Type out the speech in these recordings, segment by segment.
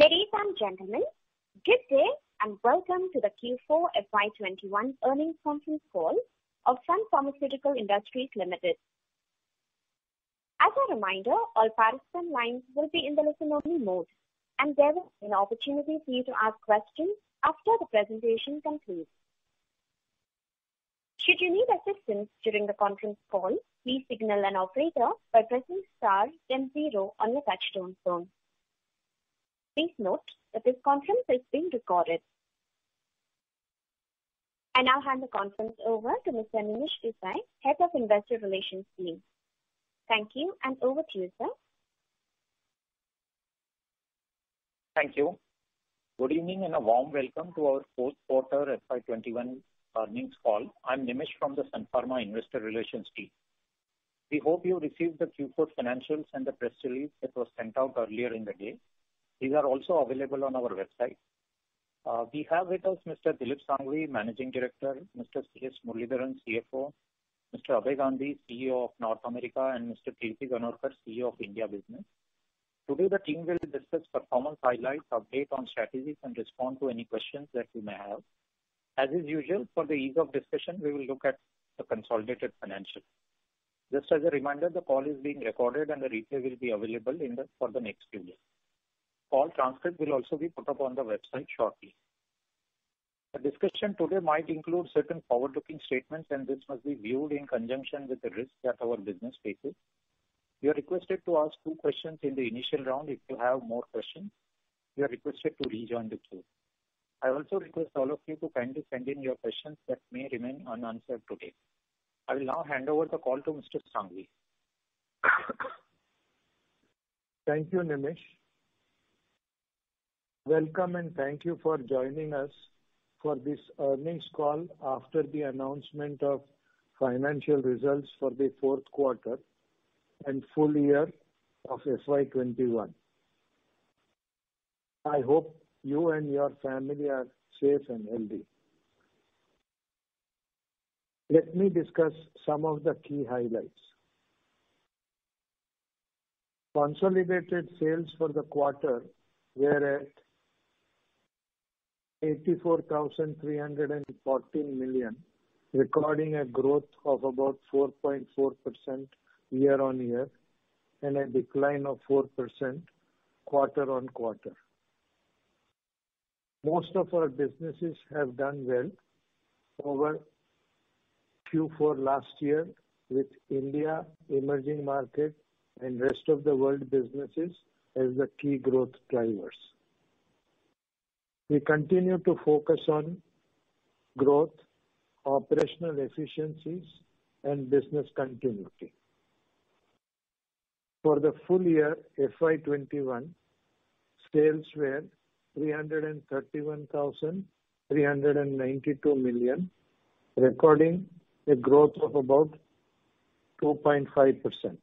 Ladies and gentlemen, good day and welcome to the Q4 FY21 earnings conference call of Sun Pharmaceutical Industries Limited. As a reminder, all participant lines will be in the listen-only mode, and there is an opportunity for you to ask questions after the presentation concludes. Please note that this conference is being recorded. I now hand the conference over to Mr. Nimish Desai, Head of Investor Relations team. Thank you, and over to you, sir. Thank you. Good evening and a warm welcome to our Q4 FY 2021 earnings call. I'm Nimish from the Sun Pharma Investor Relations team. We hope you received the Q4 financials and the press release that was sent out earlier in the day. These are also available on our website. We have with us Mr. Dilip Shanghvi, Managing Director, Mr. C.S. Muralidharan, CFO, Mr. Abhay Gandhi, CEO of North America, and Mr. Kirti Ganorkar, CEO of India business. Today, the team will discuss the common highlights, updates on strategies, and respond to any questions that you may have. As is usual, for the ease of discussion, we will look at the consolidated financials. Just as a reminder, the call is being recorded and the replay will be available for the next few days. Call transcript will also be put up on the website shortly. The discussion today might include certain forward-looking statements and this must be viewed in conjunction with the risks that our business faces. You are requested to ask two questions in the initial round. If you have more questions, you are requested to rejoin the queue. I also request all of you to kindly send in your questions that may remain unanswered today. I will now hand over the call to Mr. Shanghvi. Thank you, Nimish. Welcome and thank you for joining us for this earnings call after the announcement of financial results for the Q4 and full year of FY21. I hope you and your family are safe and healthy. Let me discuss some of the key highlights. Consolidated sales for the quarter were at 84,314 million, recording a growth of about 4.4% year-on-year and a decline of 4% quarter-on-quarter. Most of our businesses have done well over Q4 last year with India, emerging market, and rest of the world businesses as the key growth drivers. We continue to focus on growth, operational efficiencies, and business continuity. For the full year FY21, sales were 331,392 million, recording a growth of about 2.5%.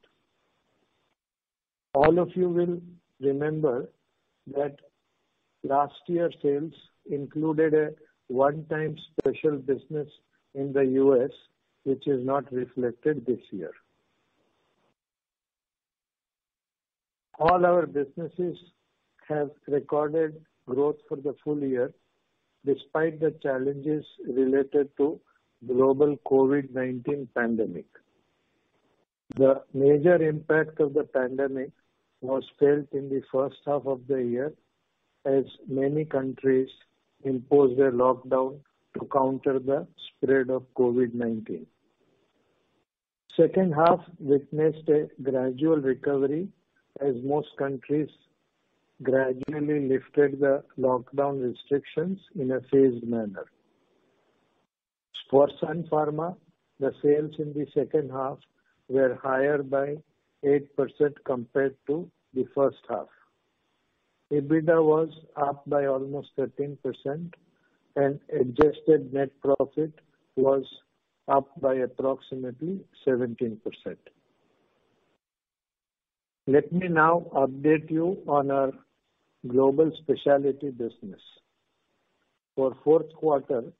All of you will remember that last year's sales included a one-time special business in the U.S., which is not reflected this year. All our businesses have recorded growth for the full year despite the challenges related to global COVID-19 pandemic. The major impact of the pandemic was felt in the H1 of the year as many countries imposed a lockdown to counter the spread of COVID-19. H2 witnessed a gradual recovery as most countries gradually lifted the lockdown restrictions in a phased manner. For Sun Pharma, the sales in the H2 were higher by 8% compared to the H1. EBITDA was up by almost 13%, and adjusted net profit was up by approximately 17%. Let me now update you on our global specialty business. For Q4,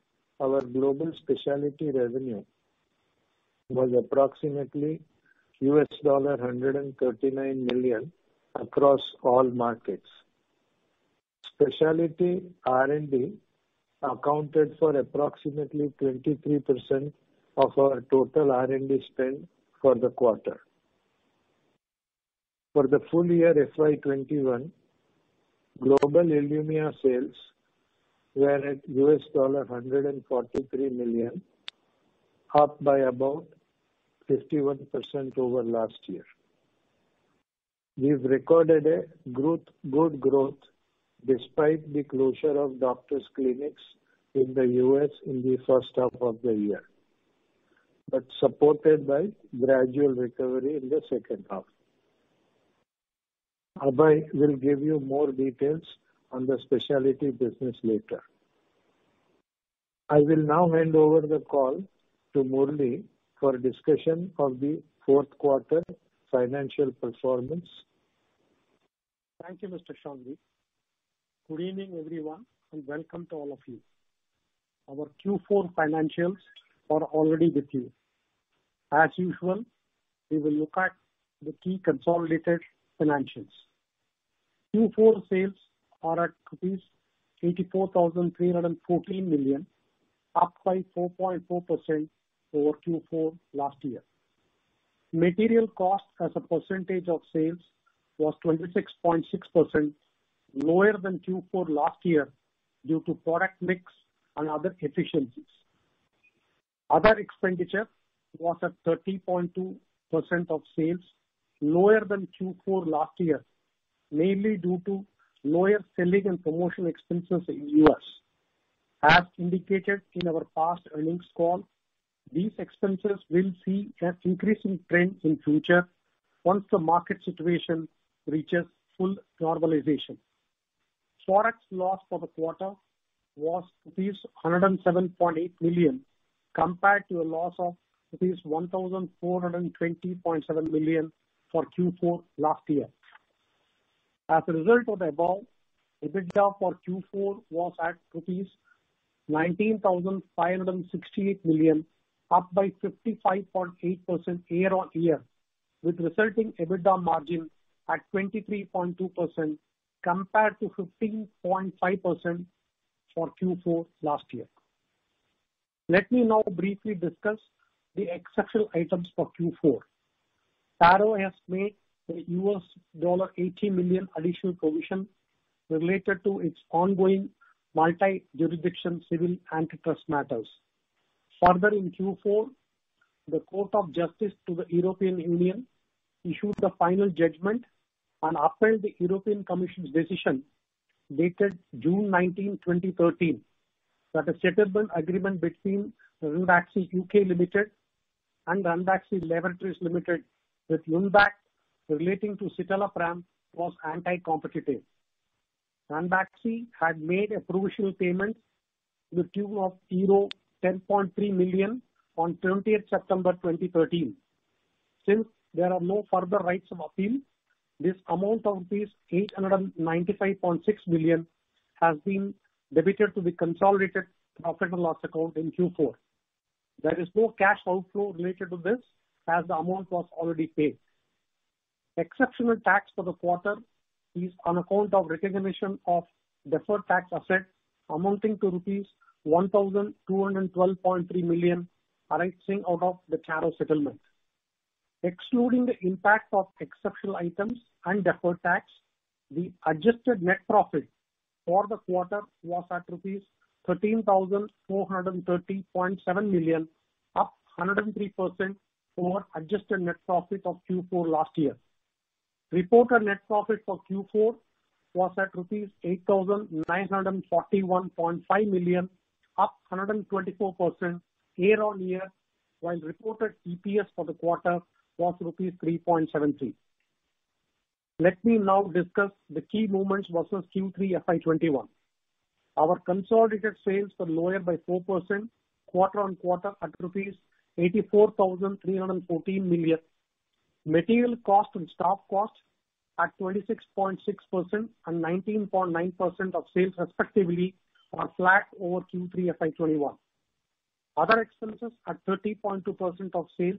our global specialty revenue was approximately US$139 million across all markets. Specialty R&D accounted for approximately 23% of our total R&D spend for the quarter. For the full year FY 2021, global ILUMYA sales were at $143 million, up by about 51% over last year. We've recorded a good growth despite the closure of doctor's clinics in the U.S. in the H1 of the year, but supported by gradual recovery in the H2. Abhay will give you more details on the specialty business later. I will now hand over the call to Murali for a discussion of the Q4 financial performance. Thank you, Mr. Shanghvi. Good evening, everyone, and welcome to all of you. Our Q4 financials are already with you. As usual, we will look at the key consolidated financials. Q4 sales are at rupees 84,314 million, up by 4.4% over Q4 last year. Material cost as a percentage of sales was 26.6%, lower than Q4 last year due to product mix and other efficiencies. Other expenditure was at 30.2% of sales, lower than Q4 last year, mainly due to lower selling and promotional expenses in the U.S. As indicated in our past earnings call, these expenses will see an increasing trend in future once the market situation reaches full normalization. Forex loss for the quarter was rupees 107.8 million, compared to a loss of rupees 1,420.7 million for Q4 last year. As a result of the above, EBITDA for Q4 was at 19,568 million, up by 55.8% year-on-year, with resulting EBITDA margin at 23.2% compared to 15.5% for Q4 last year. Let me now briefly discuss the exceptional items for Q4. Taro has made a $80 million additional provision related to its ongoing multi-jurisdiction civil antitrust matters. In Q4, the Court of Justice of the European Union issued the final judgment and upheld the European Commission's decision, dated June 19th, 2013, that the settlement agreement between Ranbaxy UK Limited and Ranbaxy Laboratories Limited with Lundbeck relating to citalopram was anti-competitive. Ranbaxy had made a provisional payment in the tune of 10.3 million on September 20th, 2013. There are no further rights of appeal, this amount of rupees 895.6 million has been debited to the consolidated profit and loss account in Q4. There is no cash outflow related to this as the amount was already paid. Exceptional tax for the quarter is on account of recognition of deferred tax asset amounting to rupees 1,212.3 million arising out of the channel settlement. Excluding the impact of exceptional items and deferred tax, the adjusted net profit for the quarter was at rupees 13,430.7 million, up 103% over adjusted net profit of Q4 last year. Reported net profit for Q4 was at rupees 8,941.5 million, up 124% year-on-year, while reported EPS for the quarter was rupees 3.73. Let me now discuss the key movements versus Q3 FY21. Our consolidated sales were lower by 4% quarter-on-quarter at rupees 84,314 million. Material cost and stock costs at 26.6% and 19.9% of sales respectively were flat over Q3 FY21. Other expenses at 30.2% of sales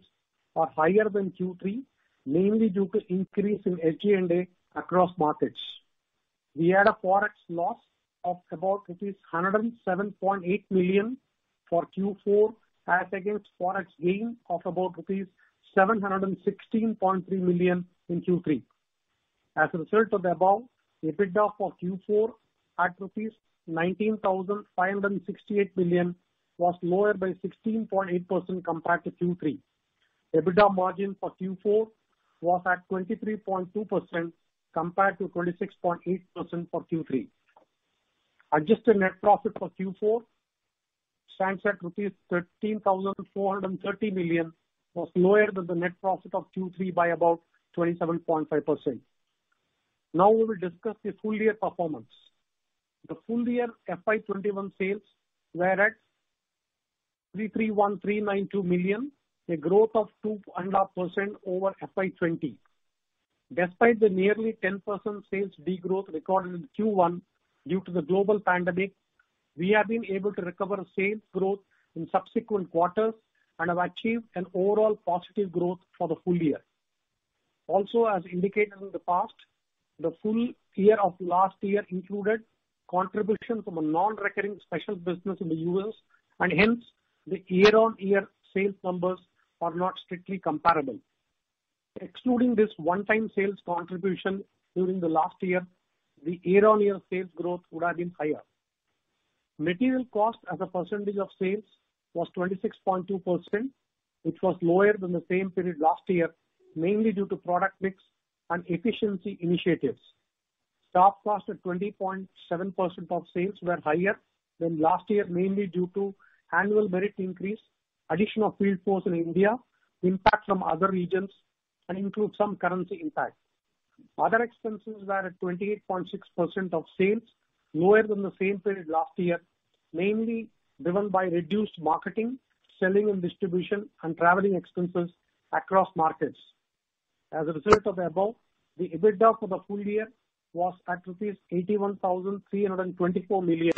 are higher than Q3, mainly due to increase in SG&A across markets. We had a Forex loss of about rupees 107.8 million for Q4 as against Forex gain of about rupees 716.3 million in Q3. As a result of the above, EBITDA for Q4 at rupees 19,568 million was lower by 16.8% compared to Q3. EBITDA margin for Q4 was at 23.2% compared to 26.8% for Q3. Adjusted net profit for Q4 stands at 13,430 million, was lower than the net profit of Q3 by about 27.5%. Now, we will discuss the full year performance. The full year FY 2021 sales were at 331,392 million, a growth of 2.5% over FY 2020. Despite the nearly 10% sales regrowth recorded in Q1 due to the global pandemic, we have been able to recover sales growth in subsequent quarters and have achieved an overall positive growth for the full year. As indicated in the past, the full year of last year included contribution from a non-recurring special business in the U.S., and hence the year-on-year sales numbers are not strictly comparable. Excluding this one time sales contribution during the last year, the year-on-year sales growth would have been higher. Material cost as a percentage of sales was 26.2%. It was lower than the same period last year, mainly due to product mix and efficiency initiatives. Stock costs at 20.7% of sales were higher than last year, mainly due to annual merit increase, addition of field force in India, impact from other regions, and include some currency impact. Other expenses were at 28.6% of sales, lower than the same period last year, mainly driven by reduced marketing, selling and distribution, and traveling expenses across markets. As a result of the above, the EBITDA for the full year was at rupees 81,324 million,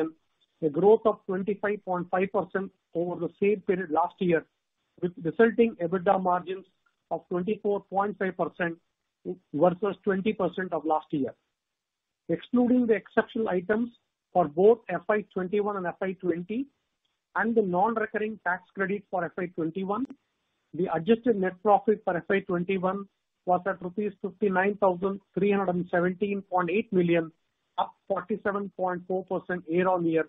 a growth of 25.5% over the same period last year, with resulting EBITDA margins of 24.5% versus 20% of last year. Excluding the exceptional items for both FY21 and FY20 and the non-recurring tax credit for FY21, the adjusted net profit for FY21 was at rupees 59,317.8 million, up 47.4% year-on-year,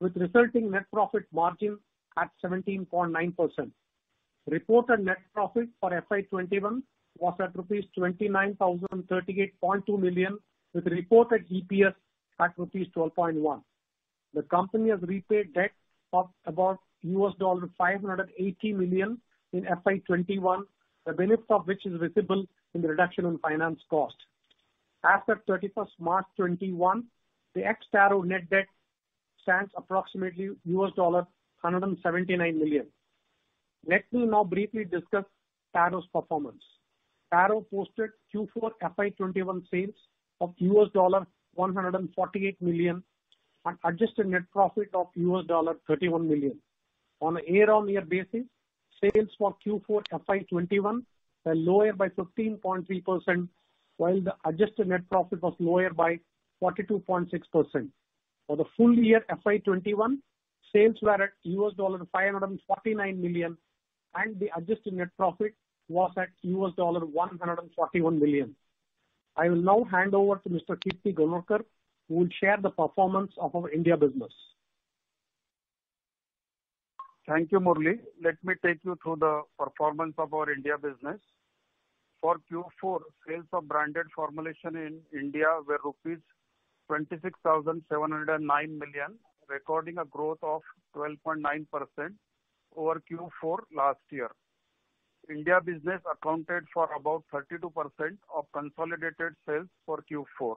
with resulting net profit margin at 17.9%. Reported net profit for FY21 was at rupees 29,038.2 million, with reported EPS at rupees 12.1. The company has repaid debt of about $580 million in FY21, the benefit of which is visible in the reduction in finance cost. As at 31st March 2021, the ex-Taro net debt stands approximately $179 million. Let me now briefly discuss Taro's performance. Taro posted Q4 FY 2021 sales of $148 million and adjusted net profit of $31 million. On a year-over-year basis, sales for Q4 FY 2021 were lower by 15.3%, while the adjusted net profit was lower by 42.6%. For the full year FY 2021, sales were at $549 million, and the adjusted net profit was at $141 million. I will now hand over to Mr. Kirti Ganorkar, who will share the performance of our India business. Thank you, Murali. Let me take you through the performance of our India business. For Q4, sales of branded formulation in India were rupees 26,709 million, recording a growth of 12.9% over Q4 last year. India business accounted for about 32% of consolidated sales for Q4.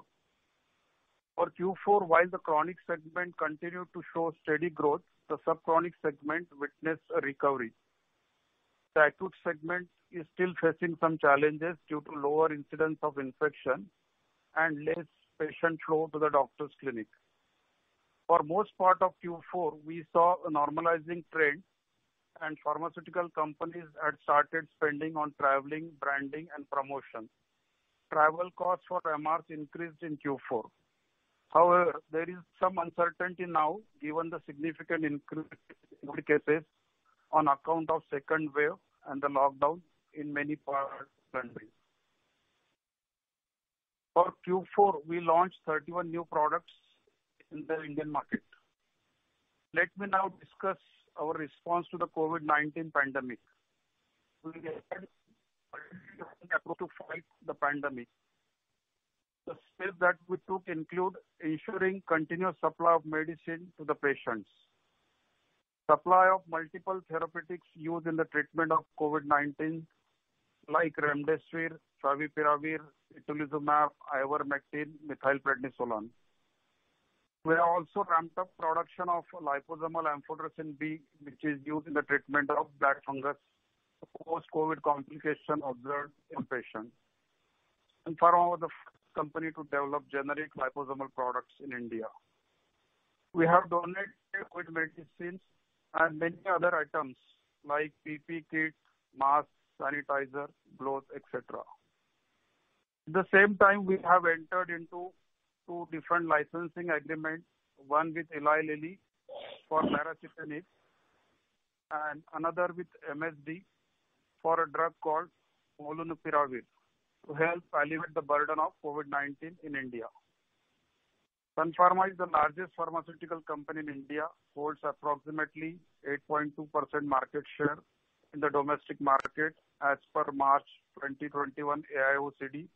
For Q4, while the chronic segment continued to show steady growth, the subchronic segment witnessed a recovery. The acute segment is still facing some challenges due to lower incidence of infection and less patient flow to the doctor's clinic. For most part of Q4, we saw a normalizing trend and pharmaceutical companies had started spending on traveling, branding, and promotion. Travel costs for MRs increased in Q4. However, there is some uncertainty now, given the significant increase in cases on account of second wave and the lockdown in many parts of the country. For Q4, we launched 31 new products in the Indian market. Let me now discuss our response to the COVID-19 pandemic. We began to fight the pandemic. The steps that we took include ensuring continuous supply of medicine to the patients, supply of multiple therapeutics used in the treatment of COVID-19 like remdesivir, favipiravir, tocilizumab, ivermectin, methylprednisolone. We have also ramped up production of liposomal amphotericin B, which is used in the treatment of black fungus, a post-COVID complication observed in patients. Sun Pharma was the first company to develop generic liposomal products in India. We have donated COVID medicines and many other items like PPE kits, masks, sanitizers, gloves, et cetera. At the same time, we have entered into two different licensing agreements, one with Eli Lilly for baricitinib and another with MSD for a drug called molnupiravir to help alleviate the burden of COVID-19 in India. Sun Pharma is the largest pharmaceutical company in India, holds approximately 8.2% market share in the domestic market as per March 2021 AIOCD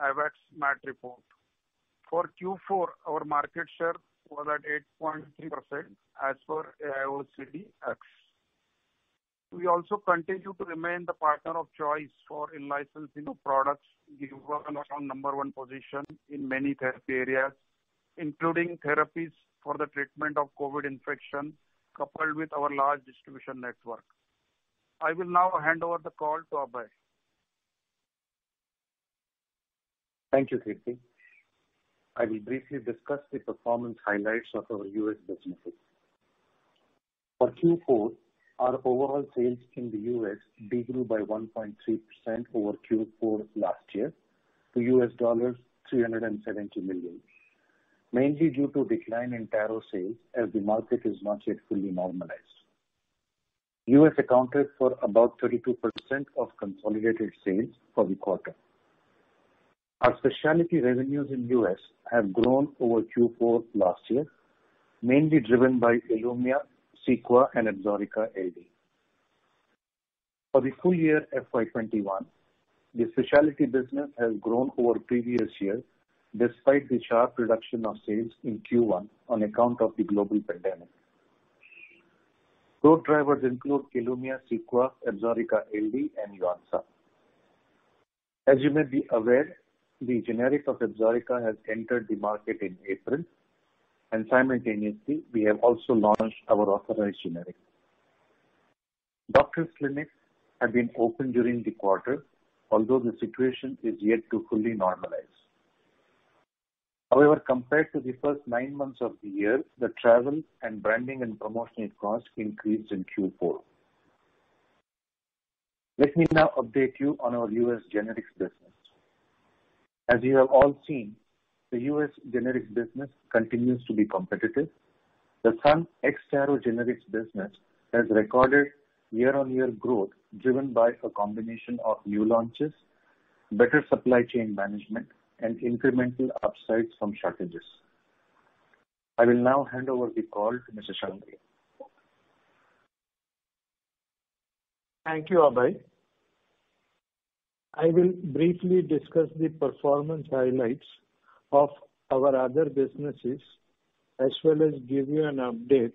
AWACS MAT report. For Q4, our market share was at 8.3% as per AIOCD AWACS. We also continue to remain the partner of choice for in-licensing of products due to our strong number one position in many therapy areas, including therapies for the treatment of COVID infection, coupled with our large distribution network. I will now hand over the call to Abhay. Thank you, Kirti. I will briefly discuss the performance highlights of our U.S. businesses. For Q4, our overall sales in the U.S. decreased by 1.3% over Q4 last year to $370 million, mainly due to decline in Taro sales as the market is not yet fully normalized. U.S. accounted for about 32% of consolidated sales for the quarter. Our specialty revenues in U.S. have grown over Q4 last year, mainly driven by ILUMYA, CEQUA, and ABSORICA LD. For the full year FY 2021, the specialty business has grown over previous years despite the sharp reduction of sales in Q1 on account of the global pandemic. Growth drivers include ILUMYA, CEQUA, ABSORICA LD, and YONSA. As you may be aware, the generic of ABSORICA has entered the market in April, and simultaneously, we have also launched our authorized generic. Doctor clinics have been open during the quarter, although the situation is yet to fully normalize. Compared to the first nine months of the year, the travel and branding and promotional costs increased in Q4. Let me now update you on our U.S. generics business. As you have all seen, the U.S. generics business continues to be competitive. The Sun ex-Taro generics business has recorded year-on-year growth driven by a combination of new launches, better supply chain management, and incremental upsides from shortages. I will now hand over the call to Mr. Shanghvi. Thank you, Abhay. I will briefly discuss the performance highlights of our other businesses, as well as give you an update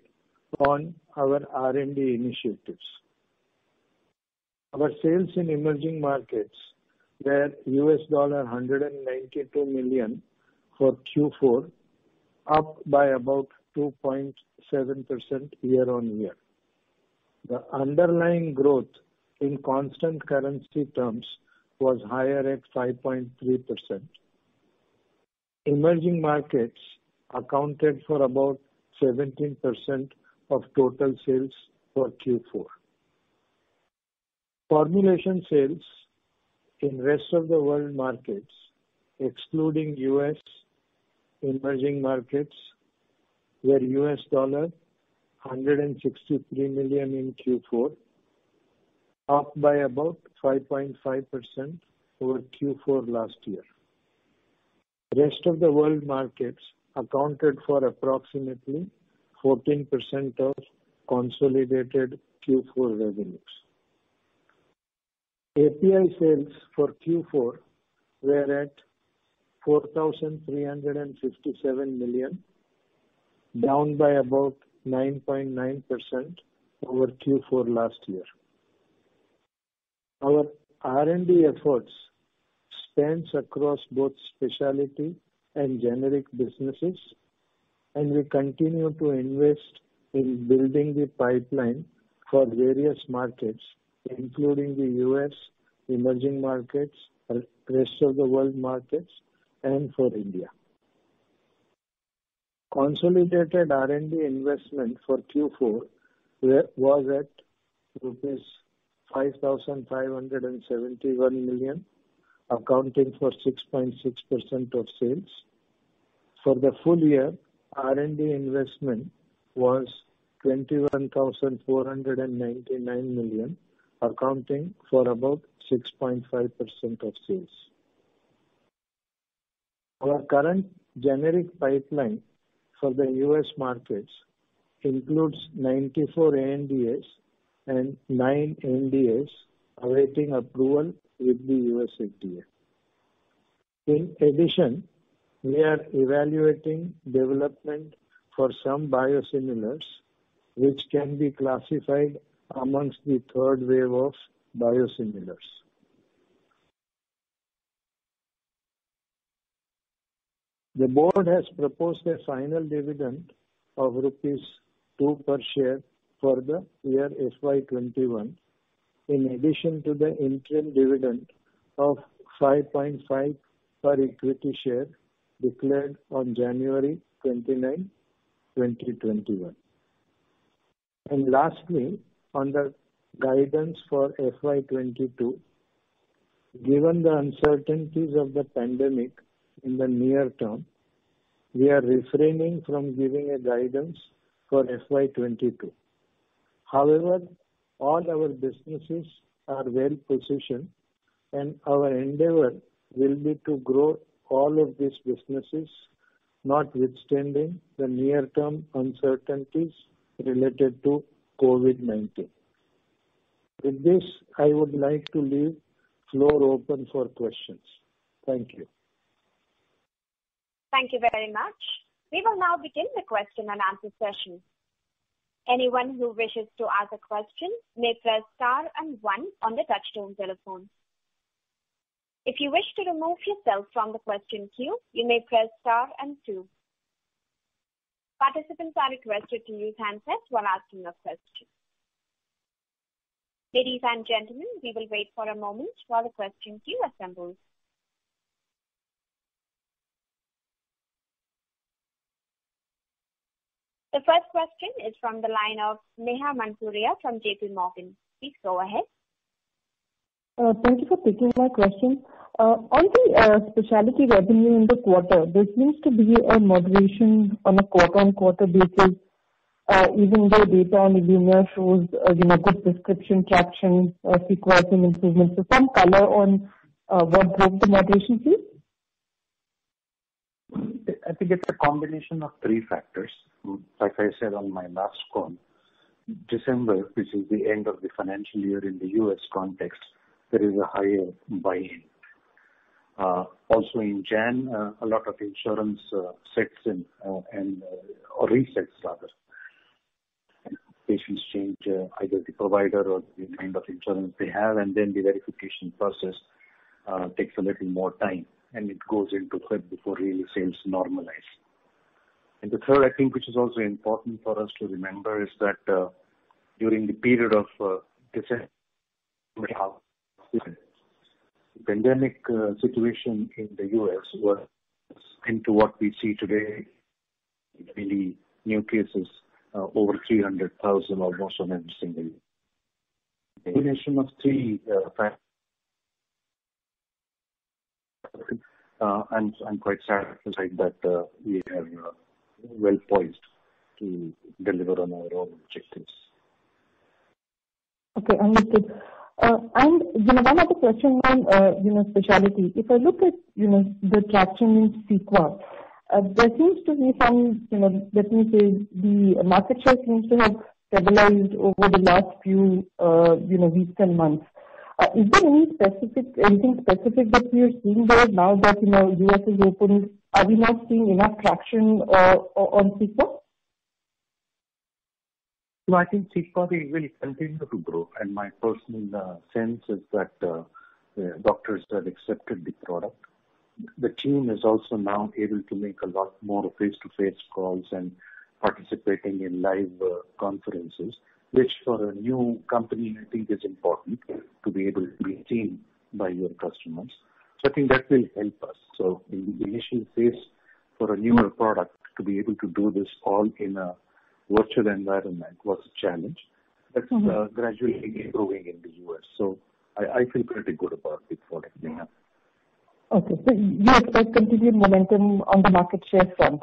on our R&D initiatives. Our sales in emerging markets were $192 million for Q4, up by about 2.7% year-on-year. The underlying growth in constant currency terms was higher at 5.3%. Emerging markets accounted for about 17% of total sales for Q4. Formulation sales in rest-of-the-world markets, excluding U.S. emerging markets, were $163 million in Q4, up by about 5.5% over Q4 last year. Rest-of-the-world markets accounted for approximately 14% of consolidated Q4 revenues. API sales for Q4 were at 4,357 million, down by about 9.9% over Q4 last year. Our R&D efforts spans across both specialty and generic businesses, and we continue to invest in building the pipeline for various markets, including the U.S., emerging markets, rest-of-the-world markets, and for India. Consolidated R&D investment for Q4 was at rupees 5,571 million, accounting for 6.6% of sales. For the full year, R&D investment was 21,499 million, accounting for about 6.5% of sales. Our current generic pipeline for the U.S. markets includes 94 ANDAs and nine NDAs awaiting approval with the U.S. FDA. In addition, we are evaluating development for some biosimilars, which can be classified amongst the third wave of biosimilars. The board has proposed a final dividend of rupees 2 per share for the year FY 2021, in addition to the interim dividend of 5.5 per equity share declared on January 29th, 2021. Lastly, on the guidance for FY 2022, given the uncertainties of the pandemic in the near term, we are refraining from giving a guidance for FY 2022. However, all our businesses are well-positioned, and our endeavor will be to grow all of these businesses, notwithstanding the near-term uncertainties related to COVID-19. With this, I would like to leave the floor open for questions. Thank you. Thank you very much. We will now begin the question and answer session. Anyone who wishes to ask a question may press star and one on the touchtone telephone. If you wish to remove yourself from the question queue, you may press star and two. Participants are requested to use handsets when asking a question. Ladies and gentlemen, we will wait for a moment while the question queue assembles. The first question is from the line of Neha Manpuria from JPMorgan. Please go ahead. Thank you for taking my question. On the specialty revenue in the quarter, there seems to be a moderation on a quarter-on-quarter basis, even though data on the year shows good prescription traction sequentially. Some color on what drove the moderation here? I think it's a combination of three factors. Like I said on my last call, December, which is the end of the financial year in the U.S. context, there is a higher buying. In January, a lot of insurance sets in or resets rather. Patients change either the provider or the kind of insurance they have, and then the verification process takes a little more time, and it goes into Q4 really seems normalized. The third, I think, which is also important for us to remember is that during the period of December the pandemic situation in the U.S. was into what we see today, the new cases are over 300,000 almost on every single day. The combination of three factors. I'm quite satisfied that we are well-poised to deliver on our own objectives. Okay, understood. One other question around specialty. If I look at the traction in CEQUA, there seems to be some, let me say, the market share seems to have stabilized over the last few weeks and months. Is there anything specific that we are seeing there now that the U.S. is opening? Are we now seeing enough traction on CEQUA? I think CEQUA will continue to grow, and my personal sense is that doctors have accepted the product. The team is also now able to make a lot more face-to-face calls and participate in live conferences, which for a new company, I think is important to be able to be seen by your customers. I think that will help us. The initial phase for a newer product to be able to do this all in a virtual environment was a challenge that's gradually going in the U.S. I feel pretty good about the product. Okay. You expect continued momentum on the market share front.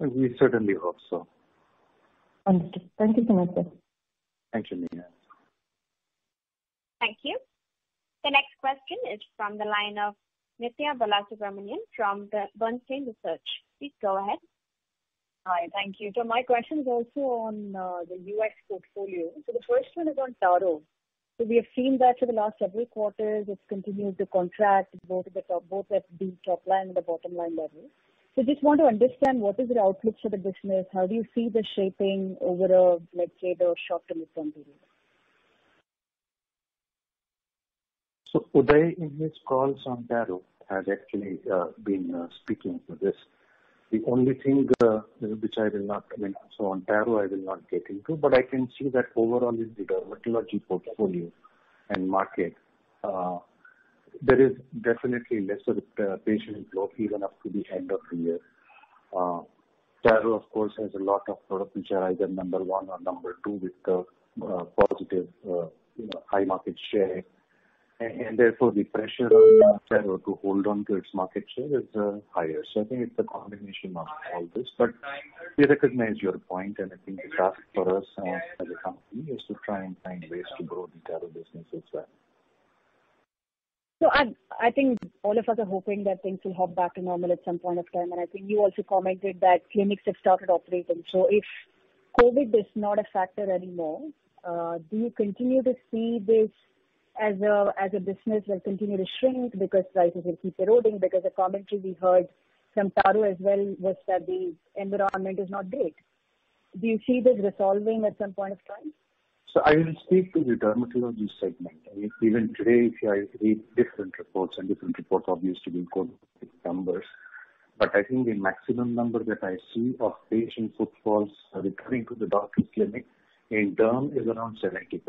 We certainly hope so. Understood. Thank you so much. Thank you. Thank you. The next question is from the line of Nithya Balasubramanian from the Bernstein Research. Please go ahead. Hi. Thank you. My question is also on the U.S. portfolio. The first one is on Taro. We have seen that for the last several quarters, it continues to contract both at the top line and the bottom line level. Just want to understand what is the outlook for the business. How do you see the shaping over a calendar year or so to come? Uday, in his calls on Taro, has actually been speaking to this. The only thing which I did not get into, but I can see that overall in the dermatology portfolio and market, there is definitely lesser patient flow even up to the end of the year. Taro, of course, has a lot of products which are either number one or number two with the positive high market share and therefore the pressure on Taro to hold on to its market share is higher. I think it's a combination of all this, but we recognize your point, and I think the task for us as a company is to try and find ways to grow the Taro business as well. I think all of us are hoping that things will hop back to normal at some point in time, and I think you also commented that clinics have started operating. If COVID is not a factor anymore, do you continue to see this as a business that's going to shrink because prices will keep eroding? The commentary we heard from Taro as well was that the environment is not great. Do you see this resolving at some point in time? I will speak to the dermatology segment. Even today, if you read different reports, and different reports obviously will quote different numbers, but I think the maximum number that I see of patient footfalls returning to the doctor clinic in derm is around 70%.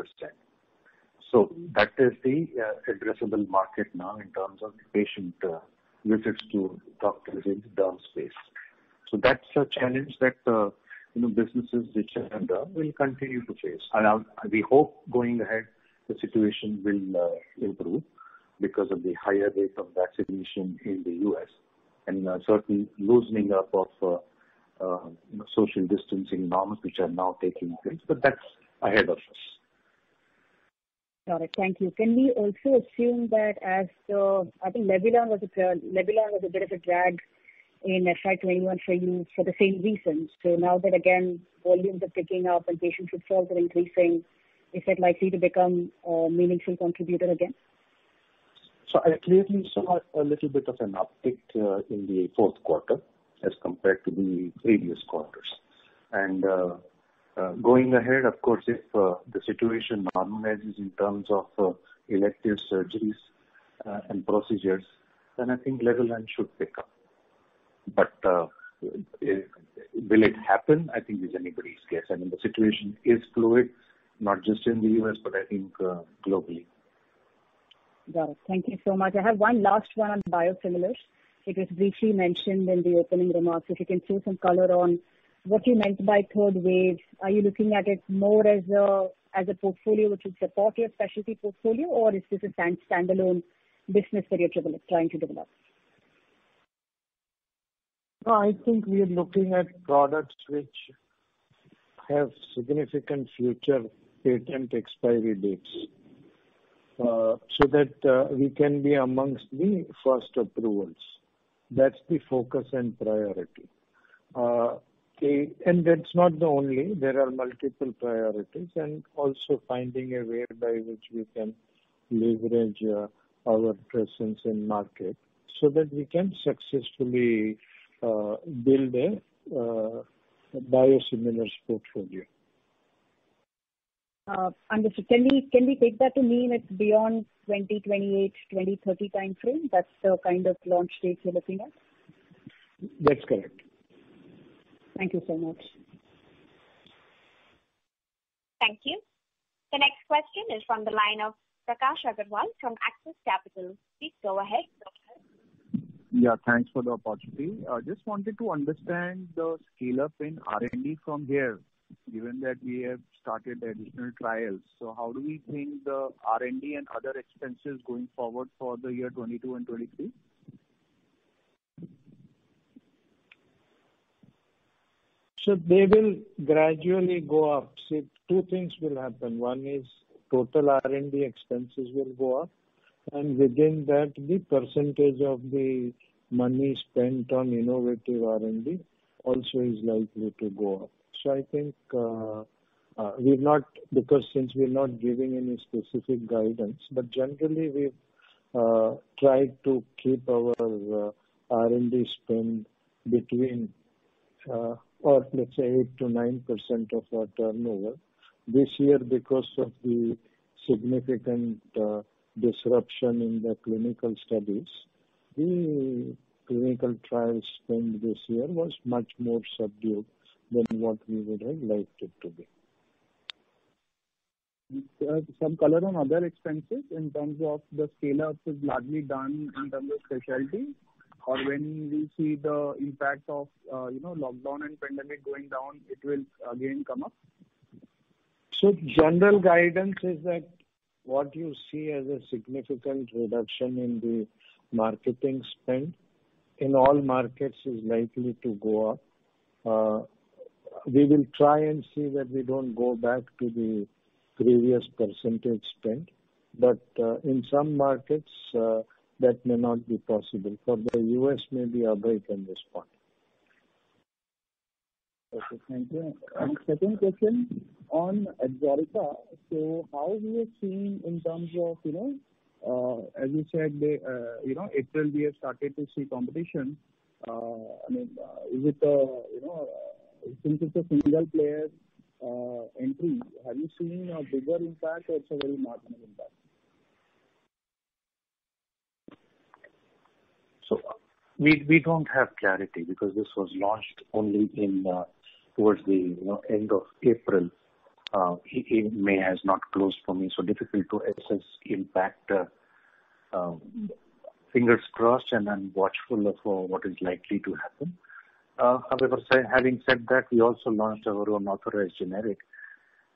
That is the addressable market now in terms of patient visits to doctors in the derm space. That's a challenge that the businesses which are in derm will continue to face. We hope going ahead the situation will improve because of the higher rate of vaccination in the U.S. and certainly loosening up of social distancing norms which are now taking place. That's ahead of us. Got it. Thank you. Can we also assume that as the I think Levulan was a bit of a drag in Hectare even for you for the same reason. Now that again, volumes are picking up and patient footfalls are increasing, is it likely to become meaningful contributor again? I believe we saw a little bit of an uptick in the Q4 as compared to the previous quarters. Going ahead, of course, if the situation normalizes in terms of elective surgeries and procedures, then I think Levulan should pick up. Will it happen, I think is anybody's guess. I mean, the situation is fluid, not just in the U.S., but I think globally. Got it. Thank you so much. I have one last one on biosimilars. It was briefly mentioned in the opening remarks. If you can give some color on what you meant by third wave. Are you looking at it more as a portfolio which will support your specialty portfolio, or is this a standalone business that you're trying to develop? No, I think we are looking at products which have significant future patent expiry dates, so that we can be amongst the first approvals. That's the focus and priority. There are multiple priorities and also finding a way by which we can leverage our presence in market so that we can successfully build a biosimilars portfolio. Understood. Can we take that to mean it's beyond 2028, 2030 timeframe? That's the kind of launch date we're looking at? That's correct. Thank you so much. Thank you. The next question is from the line of Prakash Agarwal from Axis Capital. Please go ahead. Yeah, thanks for the opportunity. I just wanted to understand the scale-up in R&D from here, given that we have started additional trials. How do we think the R&D and other expenses going forward for the year 2022 and 2023? They will gradually go up. Two things will happen. One is total R&D expenses will go up, and within that, the percentage of the money spent on innovative R&D also is likely to go up. I think, because since we're not giving any specific guidance, but generally we've tried to keep our R&D spend between, or let's say 8% to 9% of our turnover. This year, because of the significant disruption in the clinical studies, the clinical trial spend this year was much more subdued than what we would have liked it to be. Some color on other expenses in terms of the scale-ups is largely done in terms of specialty or when we see the impact of lockdown and pandemic going down, it will again come up. General guidance is that what you see as a significant reduction in the marketing spend in all markets is likely to go up. We will try and see that we don't go back to the previous percentage spend, but in some markets, that may not be possible, for the U.S. may be an outbreak in this part. Okay. Thank you. Second question on ABSORICA. How are we seeing in terms of, as you said, AG has started to see competition. Since it's a single player entry, have you seen a bigger impact or it's a very marginal impact? We don't have clarity because this was launched only towards the end of April. May has not closed for me, so difficult to assess impact. Fingers crossed and I'm watchful of what is likely to happen. Having said that, we also launched our own authorized generic,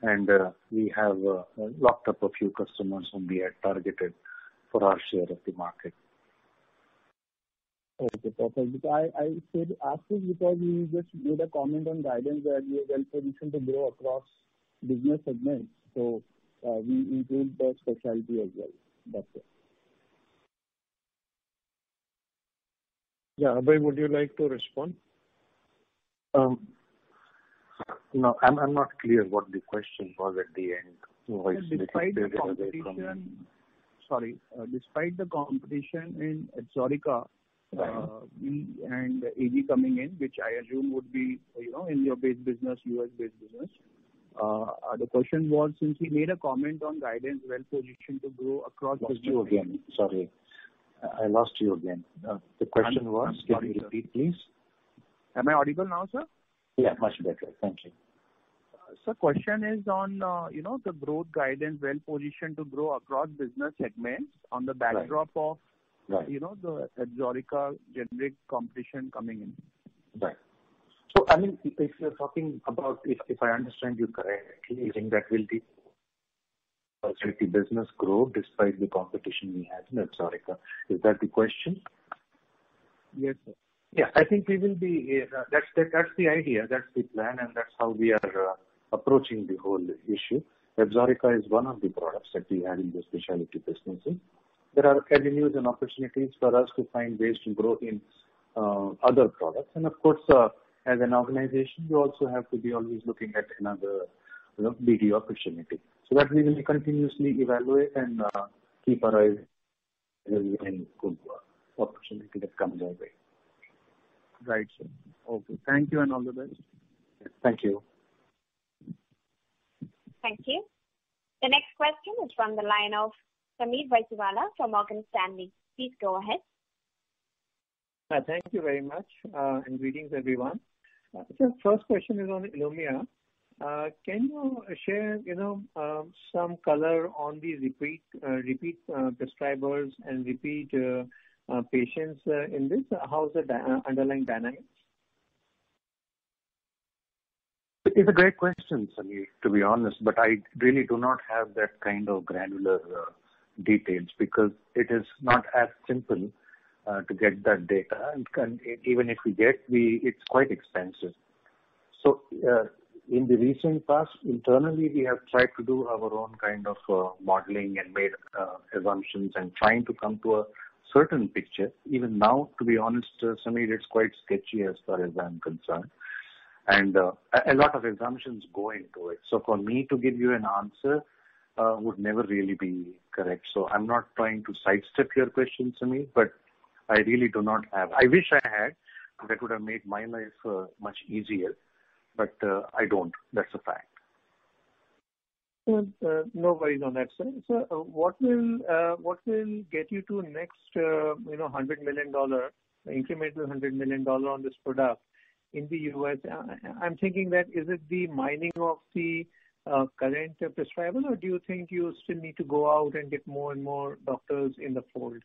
and we have locked up a few customers whom we had targeted for our share of the market. Okay, perfect. I said after because you just made a comment on guidance that you are well-positioned to grow across business segments. We built that specialty as well. That's it. Yeah. Abhay, would you like to respond? No, I'm not clear what the question was at the end. Sorry. Despite the competition in ABSORICA- Righ. AD coming in, which I assume would be India-based business, U.S.-based business. The question was, since you made a comment on guidance, well-positioned to grow across- Lost you again. Sorry. I lost you again. The question was, can you repeat, please? Am I audible now, sir? Yeah, much better. Thank you. Sir, question is on the growth guidance, well-positioned to grow across business segments on the backdrop. Right the ABSORICA generic competition coming in. If I understand you correctly, you think that will keep specialty business grow despite the competition we have in ABSORICA. Is that the question? Yes, sir. Yeah, that's the idea, that's the plan, and that's how we are approaching the whole issue. ABSORICA is one of the products that we have in the specialty business. There are avenues and opportunities for us to find ways to grow in other products. Of course, as an organization, we also have to be always looking at another M&A opportunity. That we will continuously evaluate and keep our eyes open to opportunities that come our way. Right. Okay. Thank you and all the best. Thank you. Thank you. The next question is from the line of Sameer Baisiwala from Morgan Stanley. Please go ahead. Thank you very much, and greetings, everyone. First question is on ILUMYA. Can you share some color on the repeat prescribers and repeat patients in this? How is the underlying dynamic? It's a great question, Sameer, to be honest. I really do not have that kind of granular details because it is not as simple to get that data. Even if we get, it's quite expensive. In the recent past, internally, we have tried to do our own kind of modeling and made assumptions and trying to come to a certain picture. Even now, to be honest, Sameer, it's quite sketchy as far as I'm concerned, and a lot of assumptions go into it. For me to give you an answer would never really be correct. I'm not trying to sidestep your question, Sameer. I really do not have. I wish I had. That would have made my life much easier. I don't, that's a fact. No worries on that, sir. What will get you to the next $100 million increment on this product in the U.S.? I'm thinking, is it the mining of the current prescriber, or do you think you still need to go out and get more and more doctors in the fold?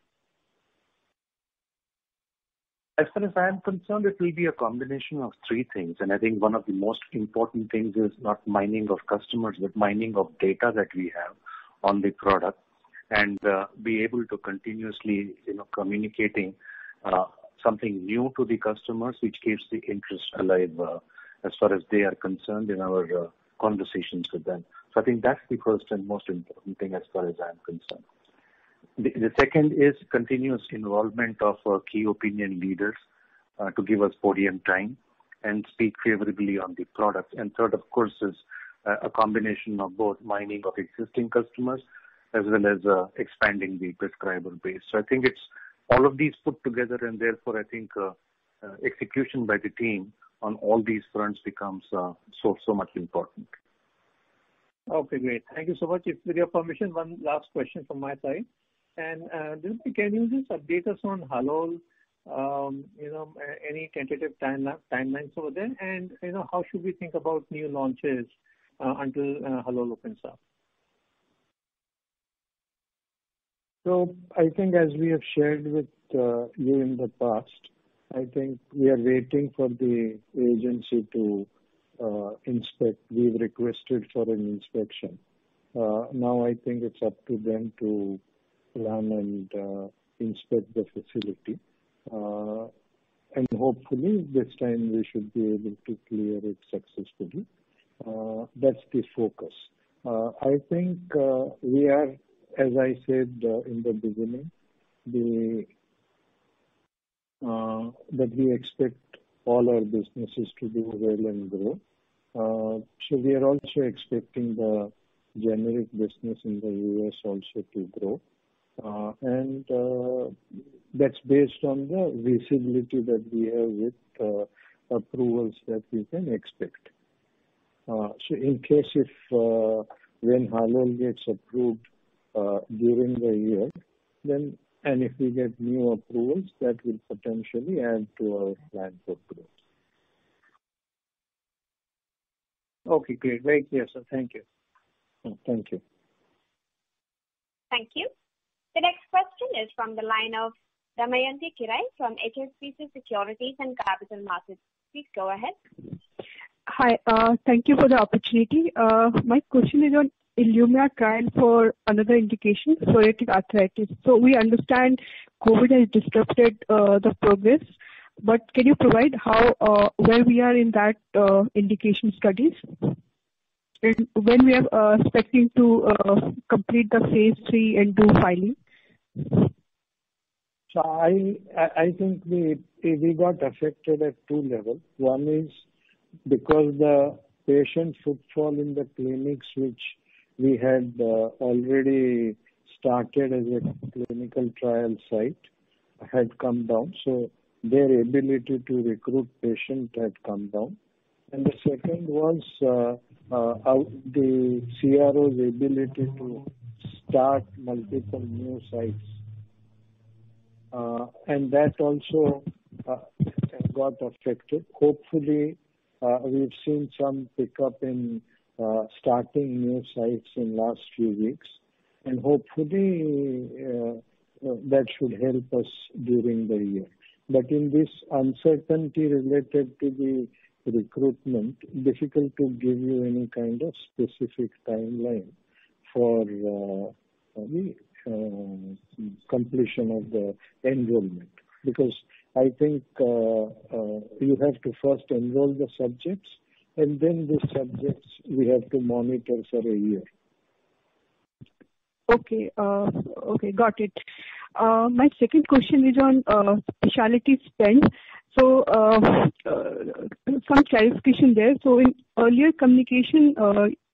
As far as I'm concerned, it will be a combination of three things. I think one of the most important things is not mining of customers, but mining of data that we have on the product and being able to continuously communicate something new to the customers, which keeps the interest alive as far as they are concerned in our conversations with them. I think that's the first and most important thing as far as I'm concerned. The second is continuous involvement of our key opinion leaders to give us podium time and speak favorably on the product. Third, of course, is a combination of both mining of existing customers as well as expanding the prescriber base. I think it's all of these put together, and therefore, I think execution by the team on all these fronts becomes so much important. Okay, great. Thank you so much. With your permission, one last question from my side. Dilip, can you just update us on Halol, any tentative timelines over there? How should we think about new launches until Halol opens up? I think as we have shared with you in the past, I think we are waiting for the agency to inspect. We've requested an inspection. I think it's up to them to come and inspect the facility. Hopefully, this time we should be able to clear it successfully. That's the focus. I think we are, as I said in the beginning, that we expect all our businesses to do well and grow. We are also expecting the generic business in the U.S. also to grow. That's based on the visibility that we have with approvals that we can expect. In case Halol gets approved during the year, if we get new approvals, that will potentially add to our bags of growth. Okay, great. Thank you, sir. Thank you. Thank you. Thank you. The next question is from the line of Damayanti Kerai from HDFC Securities and Capital Markets. Please go ahead. Hi. Thank you for the opportunity. My question is on ILUMYA trial for another indication, psoriatic arthritis. We understand COVID has disrupted the progress, can you provide where we are in that indication studies and when we are expecting to complete the phase III and do filing? I think it got affected at two levels. One is because the patient footfall in the clinics, which we had already started as a clinical trial site, had come down. Their ability to recruit patients had come down. The second was the CRO's ability to start multiple new sites. That also got affected. Hopefully, we've seen some pickup in starting new sites in last few weeks, and hopefully, that should help us during the year. In this uncertainty related to the recruitment, difficult to give you any kind of specific timeline for the completion of the enrollment, because I think you have to first enroll the subjects, and then the subjects we have to monitor for a year. Okay. Got it. My second question is on specialty spend. Some clarification there. In earlier communication,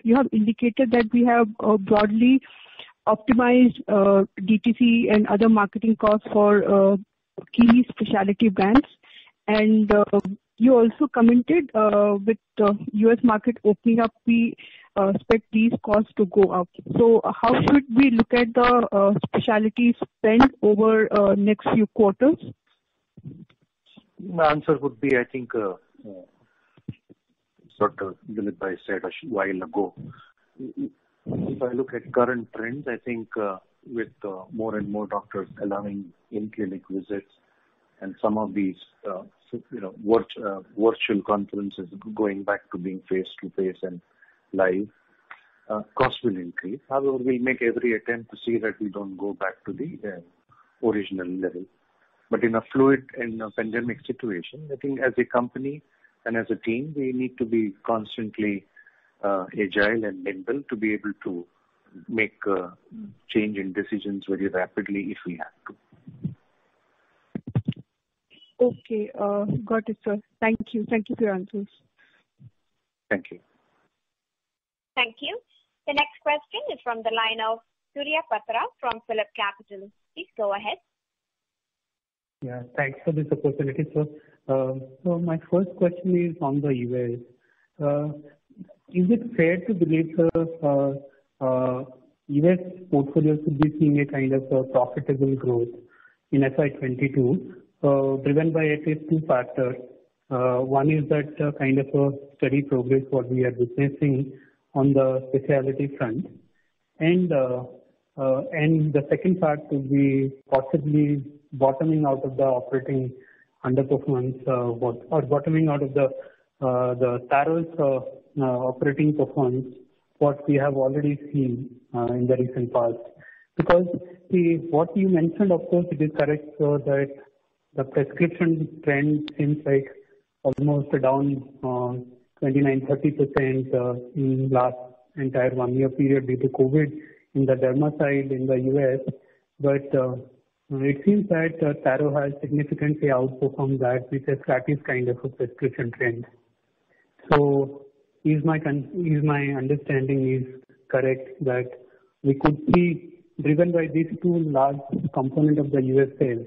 you have indicated that we have broadly optimized DTC and other marketing costs for key specialty brands, and you also commented with U.S. market opening up, we expect these costs to go up. How should we look at the specialty spend over next few quarters? My answer would be, I think, what Dilip said a while ago. If I look at current trends, I think with more and more doctors allowing in-clinic visits and some of these virtual conferences going back to being face-to-face and live, consequently, Halol will make every attempt to see that we don't go back to the original level. In a fluid pandemic situation, I think as a company and as a team, we need to be constantly agile and nimble to be able to make change in decisions very rapidly if we have to. Okay. Got it, sir. Thank you. Thank you for your answers. Thank you. Thank you. The next question is from the line of Surya Patra from PhillipCapital. Please go ahead. Yeah, thanks for this opportunity, sir. My first question is on the U.S. Is it fair to believe, sir, U.S. portfolio should be seeing a kind of profitable growth in FY 2022, driven by at least two factors. One is that kind of a steady progress what we are witnessing on the specialty front, and the second part will be possibly bottoming out of the operating underperformance or bottoming out of the Taro's operating performance, what we have already seen in the recent past. What you mentioned, of course, it is correct, sir, that the prescription trend seems like almost down 29%, 30% in last entire one year period due to COVID in the pharma side in the U.S. It seems like Taro has significantly outperformed that with a flattish kind of a prescription trend. Is my understanding is correct that we could see, driven by these two large component of the U.S. sales,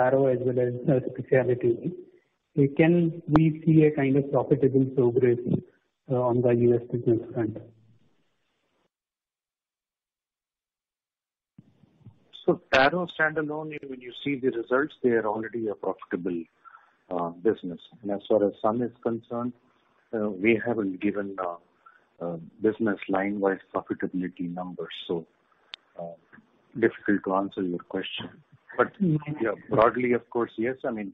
Taro as well as specialty, we can really see a kind of profitable progress on the U.S. business front? Taro standalone, when you see the results, they are already a profitable business. As far as Sun is concerned, we haven't given business line-wise profitability numbers, so difficult to answer your question. Yeah, broadly, of course, yes, I mean,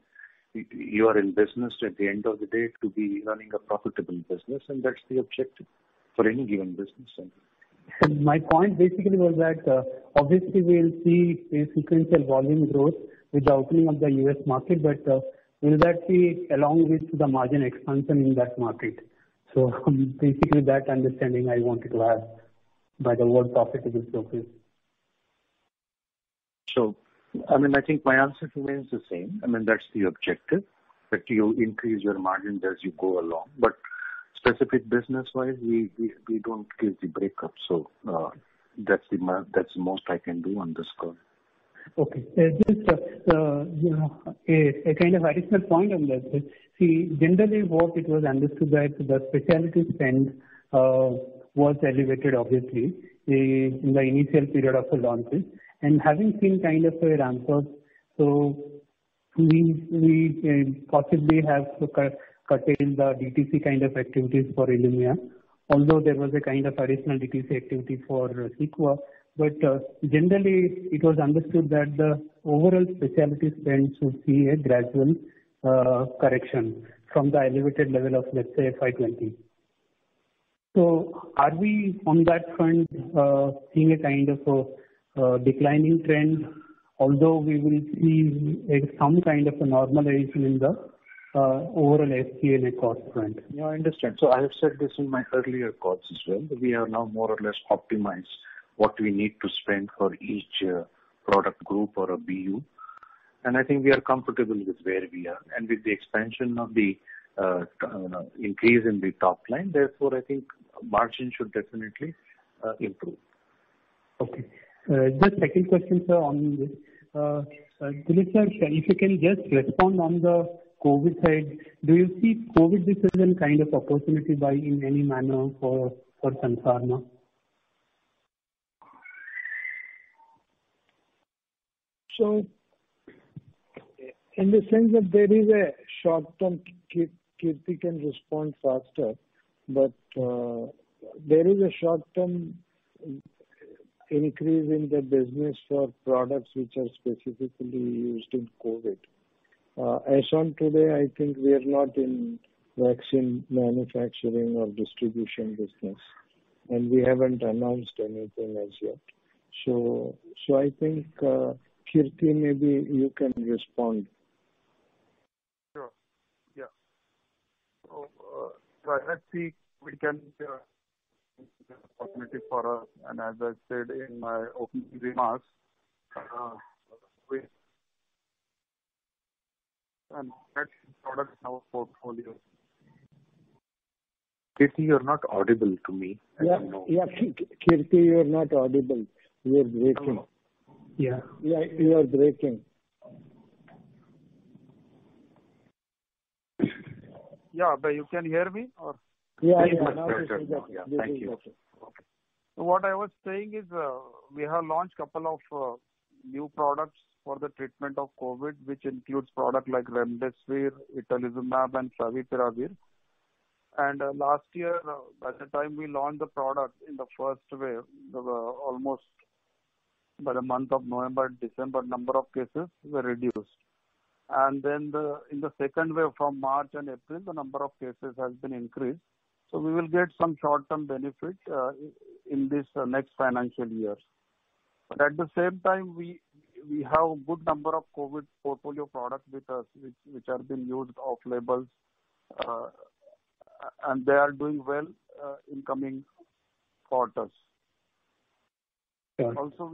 you are in business at the end of the day to be running a profitable business, and that's the objective for any given business. My point basically was that obviously we will see a sequential volume growth with the opening of the U.S. market, will that be along with the margin expansion in that market? Basically that understanding I wanted to have by the word profitable progress. I think my answer remains the same. That's the objective, that you increase your margin as you go along. Specific business-wise, we don't give the breakup. That's the most I can do on this call. Okay. Just a kind of additional point on that. Generally what it was understood that the specialty spend was elevated obviously in the initial period of the launches. Having seen kind of a ramp-up, we possibly have to curtail the DTC kind of activities for ILUMYA. Although there was a kind of additional DTC activity for CEQUA. Generally, it was understood that the overall specialty spend should see a gradual correction from the elevated level of, let's say, FY 2020. Are we on that front seeing a kind of a declining trend, although we will see some kind of a normalization in the overall SPN cost front? Yeah, I understand. I've said this in my earlier calls as well, that we are now more or less optimized what we need to spend for each product group or a BU, and I think we are comfortable with where we are and with the expansion of the increase in the top line. I think margin should definitely improve. Okay. Just second question, sir. If you can just respond on the COVID side. Do you see COVID business in kind of opportunity wise in any manner for Sun Pharma? In the sense that there is a short-term, Kirti can respond faster, but there is a short-term increase in the business for products which are specifically used in COVID. As on today, I think we are not in vaccine manufacturing or distribution business, and we haven't announced anything as yet. I think, Kirti, maybe you can respond. Sure, yeah. I think we can see an opportunity for us, and as I said in my opening remarks, products in our portfolio. Kirti, you're not audible to me. I don't know. Yeah, Kirti, you're not audible. You are breaking. Yeah. Yeah, you are breaking. Yeah. You can hear me or- Yeah, yeah. Now we can hear. Thank you. What I was saying is we have launched couple of new products for the treatment of COVID, which includes product like remdesivir, itolizumab, and favipiravir. Last year, by the time we launched the product in the first wave, almost by the month of November and December, number of cases were reduced. In the second wave from March and April, the number of cases has been increased. We will get some short-term benefit in this next financial year. At the same time, we have a good number of COVID portfolio products with us which have been used off-label and they are doing well incoming quarters. Also,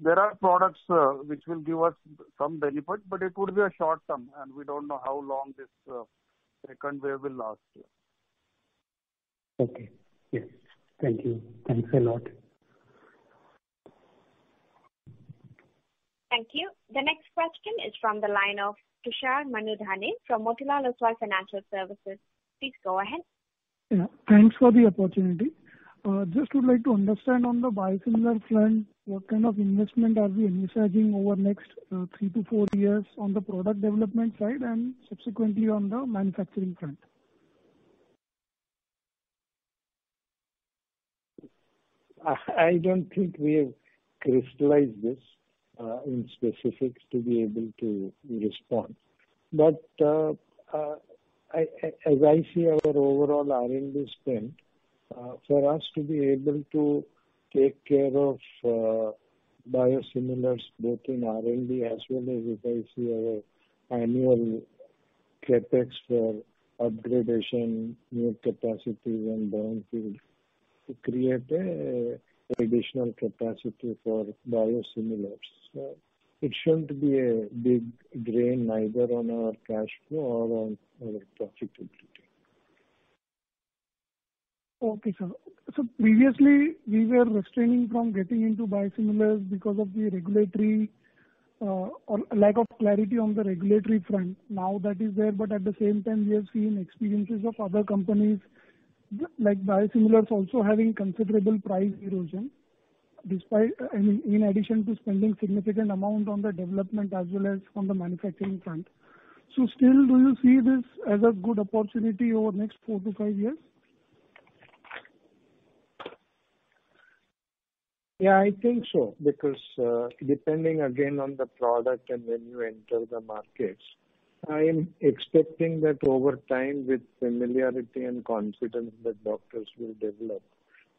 there are products which will give us some benefit, but it will be a short term and we don't know how long this second wave will last. Okay. Yes. Thank you. Thanks a lot. Thank you. The next question is from the line of Kishor Manidhane from Motilal Oswal Financial Services. Please go ahead. Yeah, thanks for the opportunity. Just would like to understand on the biosimilar front, what kind of investment are we envisaging over the next three to four years on the product development side and subsequently on the manufacturing front? I don't think we have crystallized this in specifics to be able to respond. As I see our overall R&D spend, for us to be able to take care of biosimilars, both in R&D as well as if I see our annual CapEx for upgradation, new capacities and building to create additional capacity for biosimilars. It shouldn't be a big drain either on our cash flow or on our profitability. Okay, sir. Previously we were refraining from getting into biosimilars because of the lack of clarity on the regulatory front. Now that is there, at the same time we are seeing experiences of other companies, like biosimilars also having considerable price erosion in addition to spending significant amount on the development as well as on the manufacturing front. Still, do you see this as a good opportunity over the next four to five years? Yeah, I think so. Depending again on the product and when you enter the markets, I am expecting that over time with familiarity and confidence that doctors will develop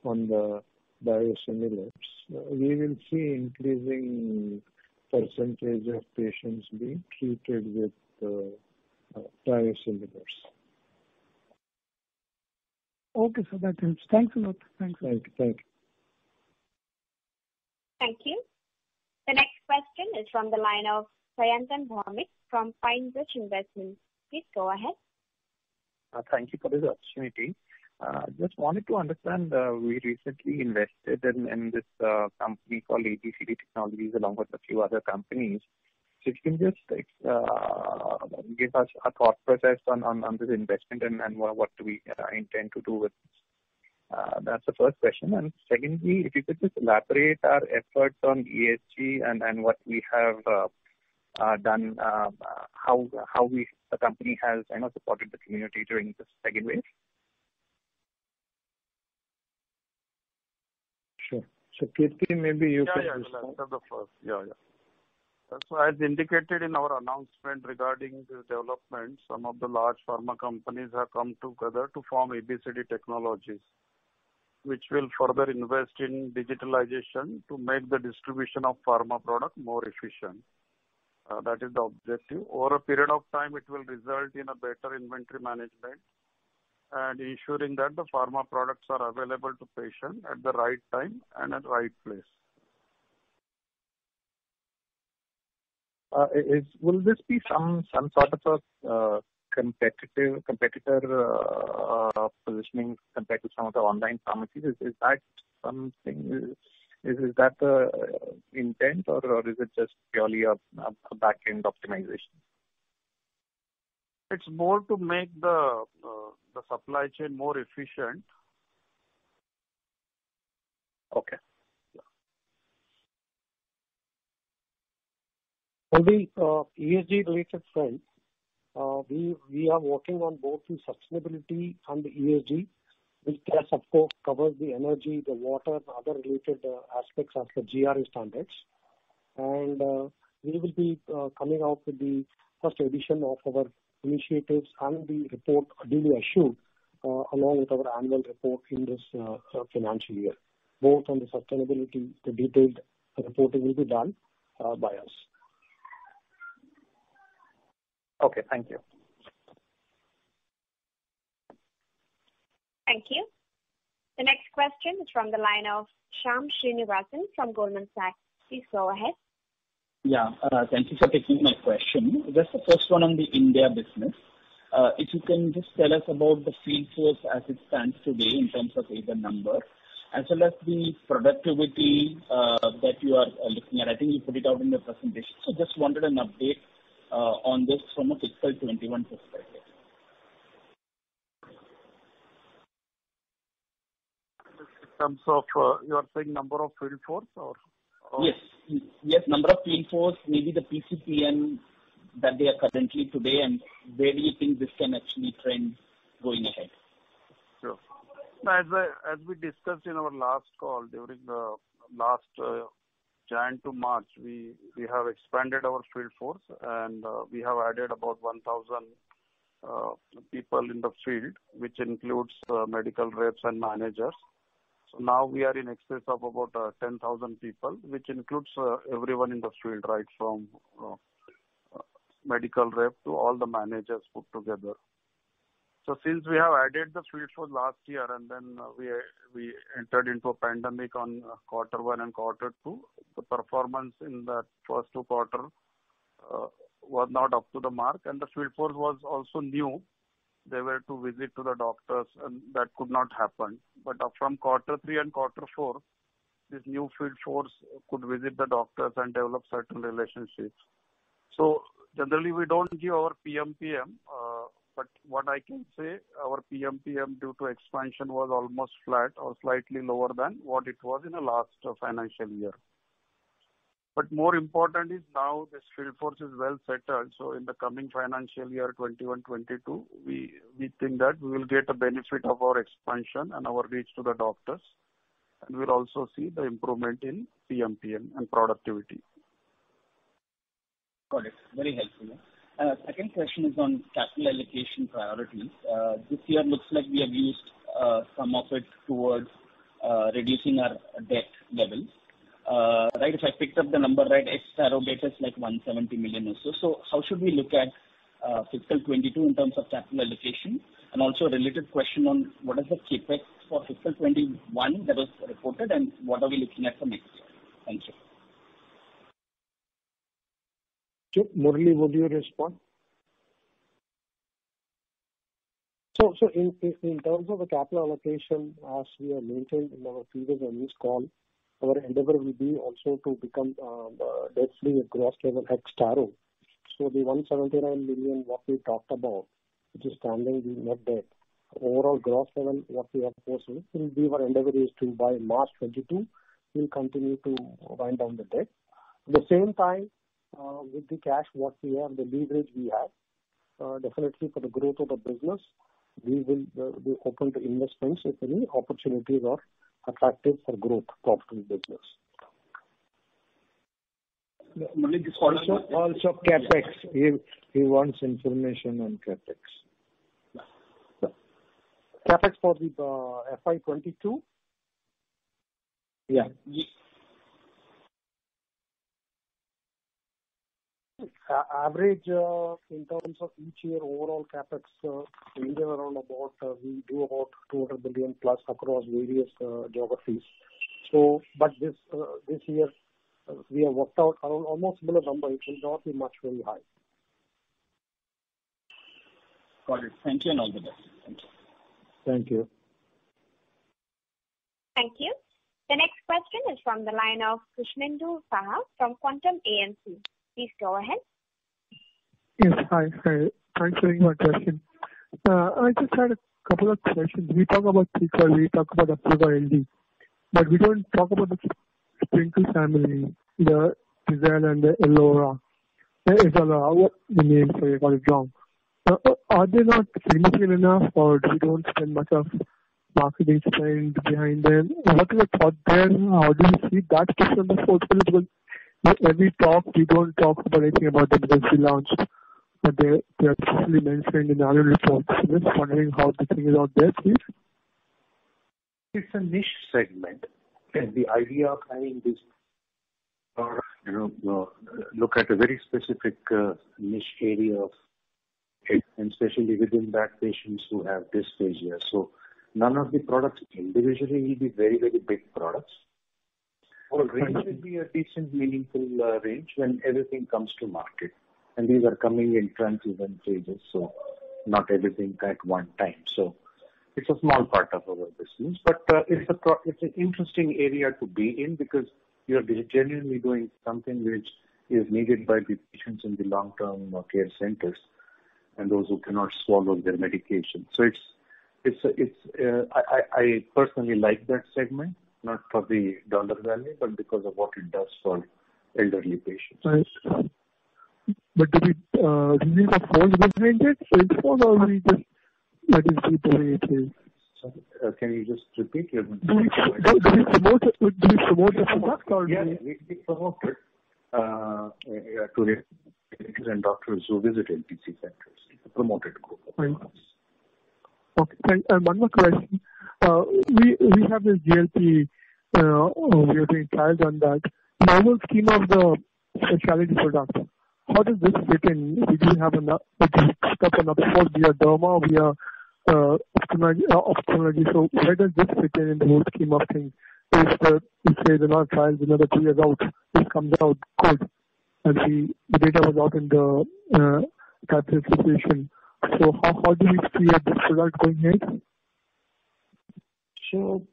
on the biosimilars. We will see increasing percentage of patients being treated with biosimilars. Okay, sir. That helps. Thank you. Right. Bye. Thank you. The next question is from the line of Sayantan Bhadnik from Finebridge Investments. Please go ahead. Thank you for this opportunity. Just wanted to understand, we recently invested in this company called ABCD Technologies along with a few other companies. If you can just give us a thought process on this investment and what do we intend to do with it? That's the first question. Secondly, if you could just elaborate our efforts on ESG and what we have done, how the company has supported the community during this pandemic. Sure. Kirti, maybe you can answer. Yeah, I'll answer the first. Yeah. As indicated in our announcement regarding this development, some of the large pharma companies have come together to form ABCD Technologies, which will further invest in digitalization to make the distribution of pharma product more efficient. That is the objective. Over a period of time, it will result in a better inventory management and ensuring that the pharma products are available to patients at the right time and at the right place. Will this be some sort of competitor positioning compared to some of the online pharmacies? Is that the intent or is it just purely a back-end optimization? It's more to make the supply chain more efficient. Okay. Yeah. On the ESG-related front, we are working on both the sustainability and ESG, which I suppose covers the energy, the water, and other related aspects of the GRI standards. We will be coming out with the first edition of our initiatives and the report ideally a year along with our annual report in this financial year, both on the sustainability. The detailed reporting will be done by us. Okay. Thank you. Thank you. The next question is from the line of Shyam Srinivasan from Goldman Sachs. Please go ahead. Thank you for taking my question. Just the first one on the India business. If you can just tell us about the field force as it stands today in terms of either numbers as well as the productivity that you are looking at. I think you put it out in your presentation. Just wanted an update on this from a FY 2021 perspective. In terms of, you're saying number of field force or- Yes. Number of field force, maybe the PCPM that they have currently today and where do you think this can actually trend going ahead? Sure. As we discussed in our last call during the last January to March, we have expanded our field force and we have added about 1,000 people in the field, which includes medical reps and managers. Now we are in excess of about 10,000 people, which includes everyone in the field, right from medical rep to all the managers put together. Since we have added the field force last year, and then we entered into a pandemic on quarter one and quarter two, the performance in that first two quarter was not up to the mark, and the field force was also new. They were to visit to the doctors, and that could not happen. From quarter three and quarter four, this new field force could visit the doctors and develop certain relationships. Generally, we don't give our PMPM, but what I can say, our PMPM due to expansion was almost flat or slightly lower than what it was in the last financial year. More important is now this field force is well settled, in the coming financial year 2021/2022, we think that we'll get a benefit of our expansion and our reach to the doctors, and we'll also see the improvement in PMPM and productivity. Got it. Very helpful. Second question is on capital allocation priorities. This year looks like we have used some of it towards reducing our debt levels. If I picked up the number, right, it's around like 170 million or so. How should we look at FY22 in terms of capital allocation? Also a related question on what is the CapEx for FY21 that was reported, and what are we looking at for next year? Thank you. Sure. Murali, would you respond? In terms of the capital allocation, as we have mentioned in our previous earnings call, our endeavor will be also to become debt-free gross level ex-Taro. The 179 million what we talked about, which is funding the net debt or our gross level what we have chosen will be our endeavor is to, by March 2022, we'll continue to wind down the debt. At the same time, with the cash what we have, the leverage we have, definitely for the growth of the business, we will be open to investments if any opportunities are attractive for growth of the business. Murali, could you also- CapEx. He wants information on CapEx. Yeah. CapEx for the FY 2022? Yeah. Average in terms of each year overall CapEx will be around about we do about 200 million plus across various geographies. This year, we have worked out almost to the number. It should not be much very high. Got it. Thank you, and all the best. Thank you. Thank you. Thank you. The next question is from the line of Krishnendu Saha from Quantum AMC. Please go ahead. Yes. Hi. Thanks for taking my question. I just had a couple of questions. We talk about Picosun, we talk about Apovian, but we don't talk about the sprinkle family, the Ezallor and Aurora. Is that the name? Sorry about it wrong. Are they not intriguing enough, or you don't spend much of marketing spend behind them? What are the thought there? How do you see that business also because when we talk, we don't talk about anything about the recent launch, but they're absolutely mentioned in the annual reports. Just wondering how to think about this, please. It's a niche segment, and the idea behind this product, look at a very specific niche area of, and especially within that, patients who have dysphagia. None of the products individually will be very big products. Okay. It should be a decent meaningful range when everything comes to market, and these are coming in tranches and phases, so not everything at one time. It's a small part of our business. It's an interesting area to be in because you are genuinely doing something which is needed by the patients in the long-term care centers and those who cannot swallow their medication. I personally like that segment, not for the dollar value, but because of what it does for elderly patients. I see. Do we need a whole segment? It's all already just, I think it is. Sorry, can you just repeat? Do we promote it or not? Yeah, we promote it to the doctors who visit NPC centers. We promote it. Right. Okay. One more question. We have this GLP-1 trials on that. We've seen on the specialty products, how does this fit in? We do have an upshot via Derma, via Ophthalmic. Where does this fit in the whole scheme of things if the, you say there are trials another three adults, this comes out good and see data lock in the capital position. How do you see this product fitting in?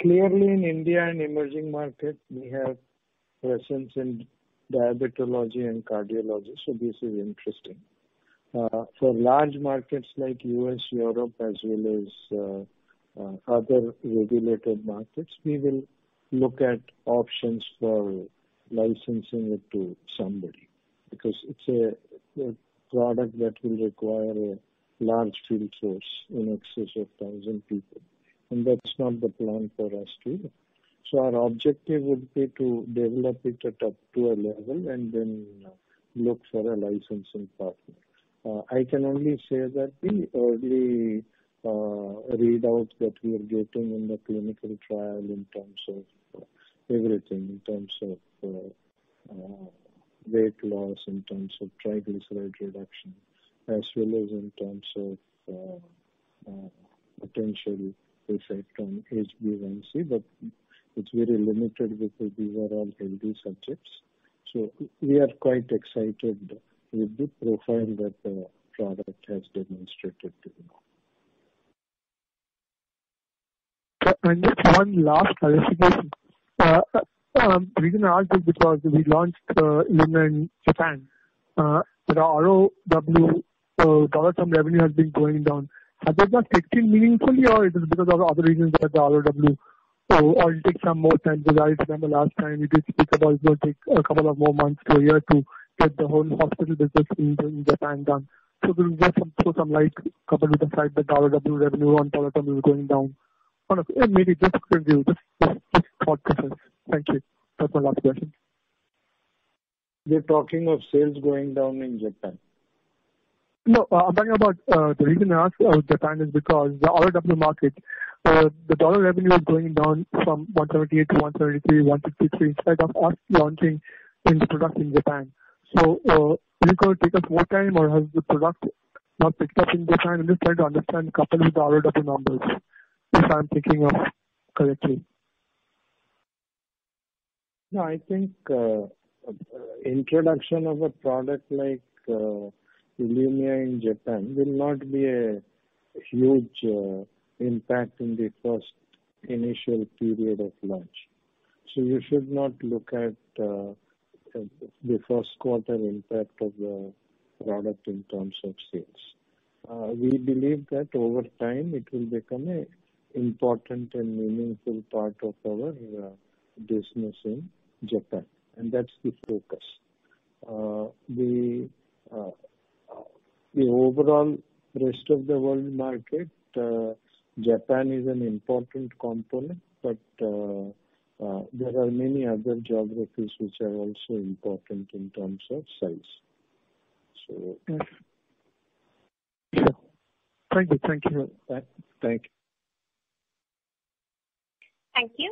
Clearly in India and emerging markets, we have presence in diabetology and cardiology, this is interesting. For large markets like U.S., Europe as well as other regulated markets, we will look at options for licensing it to somebody because it's a product that will require a large field source in excess of 1,000 people, that's not the plan for us to. Our objective would be to develop it at up to a level and then look for a licensing partner. I can only say that the early readouts that we are getting in the clinical trial in terms of everything, in terms of Weight loss in terms of triglyceride reduction, as well as in terms of potential effect on HbA1c, it's very limited because these are all healthy subjects. We are quite excited with the profile that the product has demonstrated till now. Just one last question. The reason I ask is because we launched YONSA in Japan. The ROW dollar revenue has been going down. Is that just seasonal or it is because of other reasons like the ROW? It takes some more time than the last time we discussed that it will take a couple of more months or a year to get the whole hospital business in Japan done. There's some light couple of items like the ROW revenue and total revenue going down. Maybe just quick view. Just a thought process. Thank you. You're talking of sales going down in Japan? No, I'm talking about the reason I asked about Japan is because the ROW market, the dollar revenue is going down from $178-$173, $163, instead of us launching these products in Japan. Is it going to take us more time, or has the product not picked up in Japan? I'm just trying to understand coupling the ROW numbers, if I'm picking up correctly. I think, introduction of a product like YONSA in Japan will not be a huge impact in the first initial period of launch. You should not look at the Q1 impact of the product in terms of sales. We believe that over time it will become an important and meaningful part of our business in Japan, and that's the focus. The overall rest of the world market, Japan is an important component, but there are many other geographies which are also important in terms of size. Yeah. Thank you. Thank you. Thank you.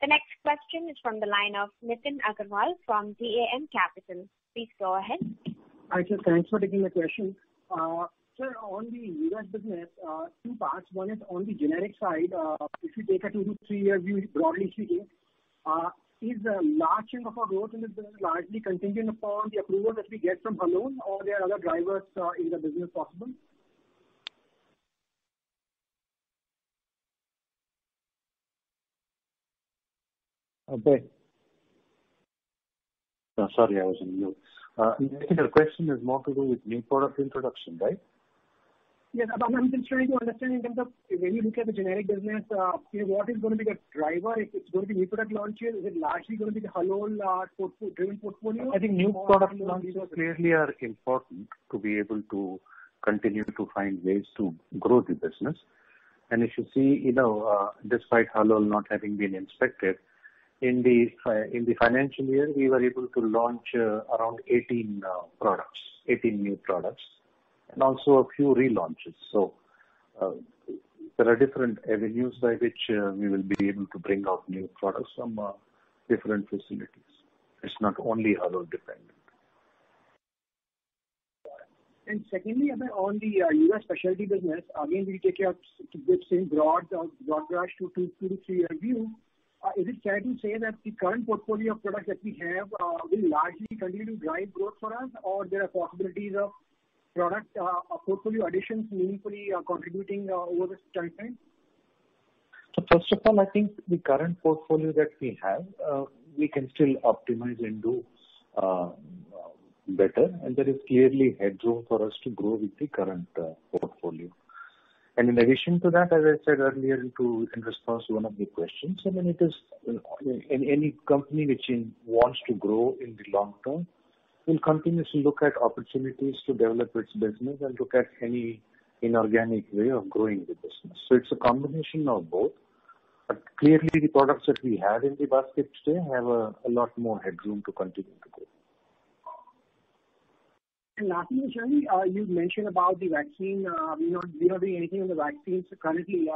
The next question is from the line of Nitin Agarwal from DAM Capital. Please go ahead. Hi, sir. Thanks for taking the question. Sir, on the U.S. business, two parts. One is on the generic side. If you take a two to three-year view, is the launching of our growth business largely contingent upon the approval that we get from Halol or there are other drivers in the business possible? Okay. Sorry, I was on mute. I think your question has more to do with new product introduction, right? Yeah. I'm just trying to understand in terms of when you look at the generic business, what is going to be the driver? Is it going to be new product launches? Is it largely going to be the Halol portfolio? I think new product launches clearly are important to be able to continue to find ways to grow the business. If you see, despite Halol not having been inspected, in the financial year, we were able to launch around 18 new products and also a few relaunches. There are different avenues by which we will be able to bring out new products from different facilities. It's not only Halol dependent. Secondly, ma'am, on the U.S. specialty business, again, if we take a broad brush two to three-year view, can we say that the current portfolio of products that we have will largely continue to drive growth for us or there are possibilities of product portfolio additions meaningfully contributing over this timeframe? First of all, I think the current portfolio that we have, we can still optimize and do better, and there is clearly headroom for us to grow with the current portfolio. In addition to that, as I said earlier in response to one of the questions, any company which wants to grow in the long term will continuously look at opportunities to develop its business and look at any inorganic way of growing the business. It's a combination of both, but clearly the products that we have in the basket today have a lot more headroom to continue to grow. Last question. You mentioned about the vaccine, not doing anything in the vaccines currently.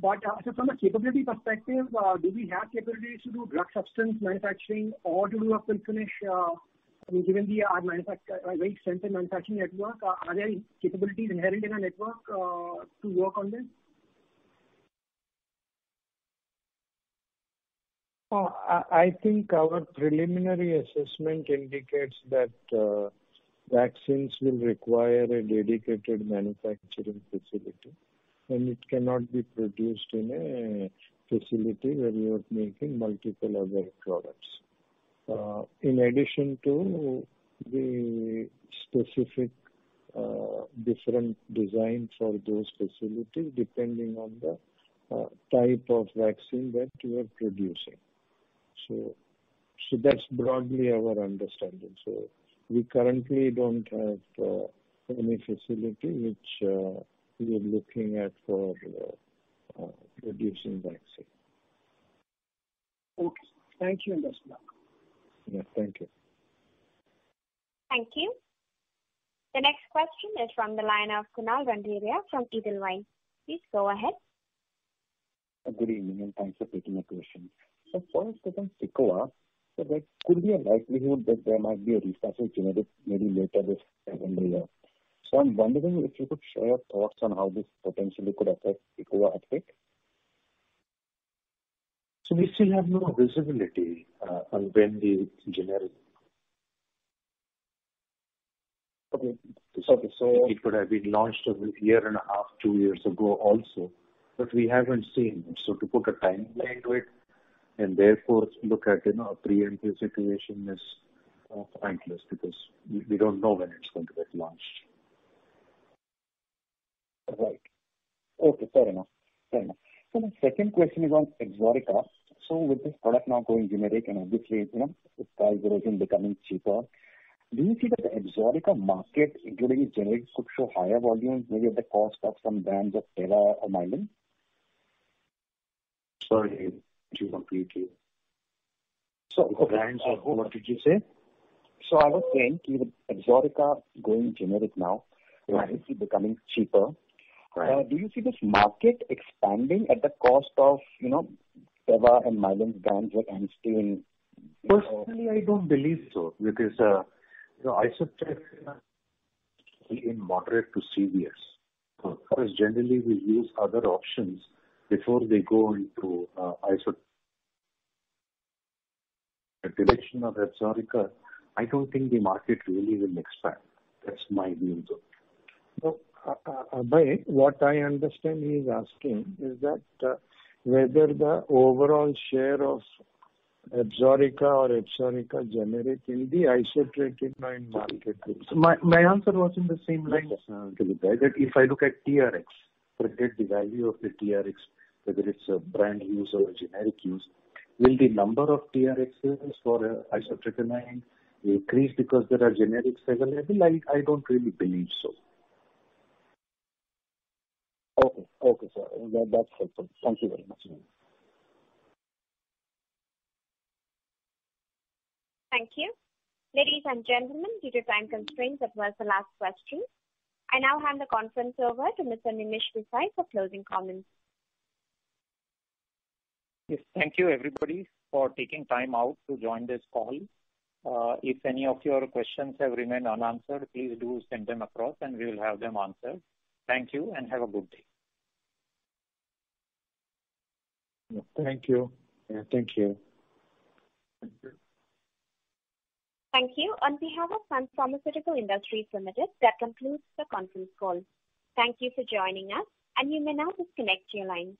From a capability perspective, do we have capabilities to do drug substance manufacturing or do you have sufficient, given the wide manufacturing network, are there any capabilities inherent in our network to work on this? I think our preliminary assessment indicates that vaccines will require a dedicated manufacturing facility, and it cannot be produced in a facility where we are making multiple other products, in addition to the specific different designs for those facilities, depending on the type of vaccine that you are producing. That's broadly our understanding. We currently don't have any facility which we are looking at for producing vaccine. Okay. Thank you, Nimish Desai. Yeah. Thank you. Thank you. The next question is from the line of Kunal Randeria from Edelweiss. Please go ahead. Good evening. Thanks for taking the question. First on Cequa, so there could be a likelihood that there might be a Restasis generic maybe later this calendar year. I'm wondering if you could share your thoughts on how this potentially could affect Cequa uptake. We still have no visibility on when they will generic. Okay. It could have been launched a year and a half, two years ago also, but we haven't seen it. To put a timeline to it and therefore look at pre-empting situation is pointless because we don't know when it's going to get launched. Right. Okay, fair enough. My second question is on ABSORICA. With this product now going generic and obviously its price will begin becoming cheaper, do you see the ABSORICA market going generic could show higher volumes maybe at the cost of some brands like Teva or Mylan? Sorry, can you repeat? So- Brands, what did you say? I was saying, ABSORICA going generic now. Right obviously becoming cheaper. Right. Do you see this market expanding at the cost of Teva or Mylan's brands or MSK? Personally, I don't believe so because isotretinoin is usually in moderate to severe. Generally we use other options before they go into isotretinoin. Direction of ABSORICA, I don't think the market really will expand. That's my view though. Abhay, what I understand he's asking is that whether the overall share of ABSORICA or ABSORICA generic in the isotretinoin market will. My answer was in the same lines. If I look at TRx, forget the value of the TRx, whether it's a brand use or a generic use, will the number of TRx sales for isotretinoin increase because there are generics available? I don't really believe so. Okay, sir. That's helpful. Thank you very much. Thank you. Ladies and gentlemen, due to time constraints, that was the last question. I now hand the conference over to Mr. Nimish Desai for closing comments. Yes, thank you everybody for taking time out to join this call. If any of your questions have remained unanswered, please do send them across and we'll have them answered. Thank you and have a good day. Thank you. Yeah. Thank you. Thank you. On behalf of Sun Pharmaceutical Industries Limited, that concludes the conference call. Thank you for joining us and you may now disconnect your line.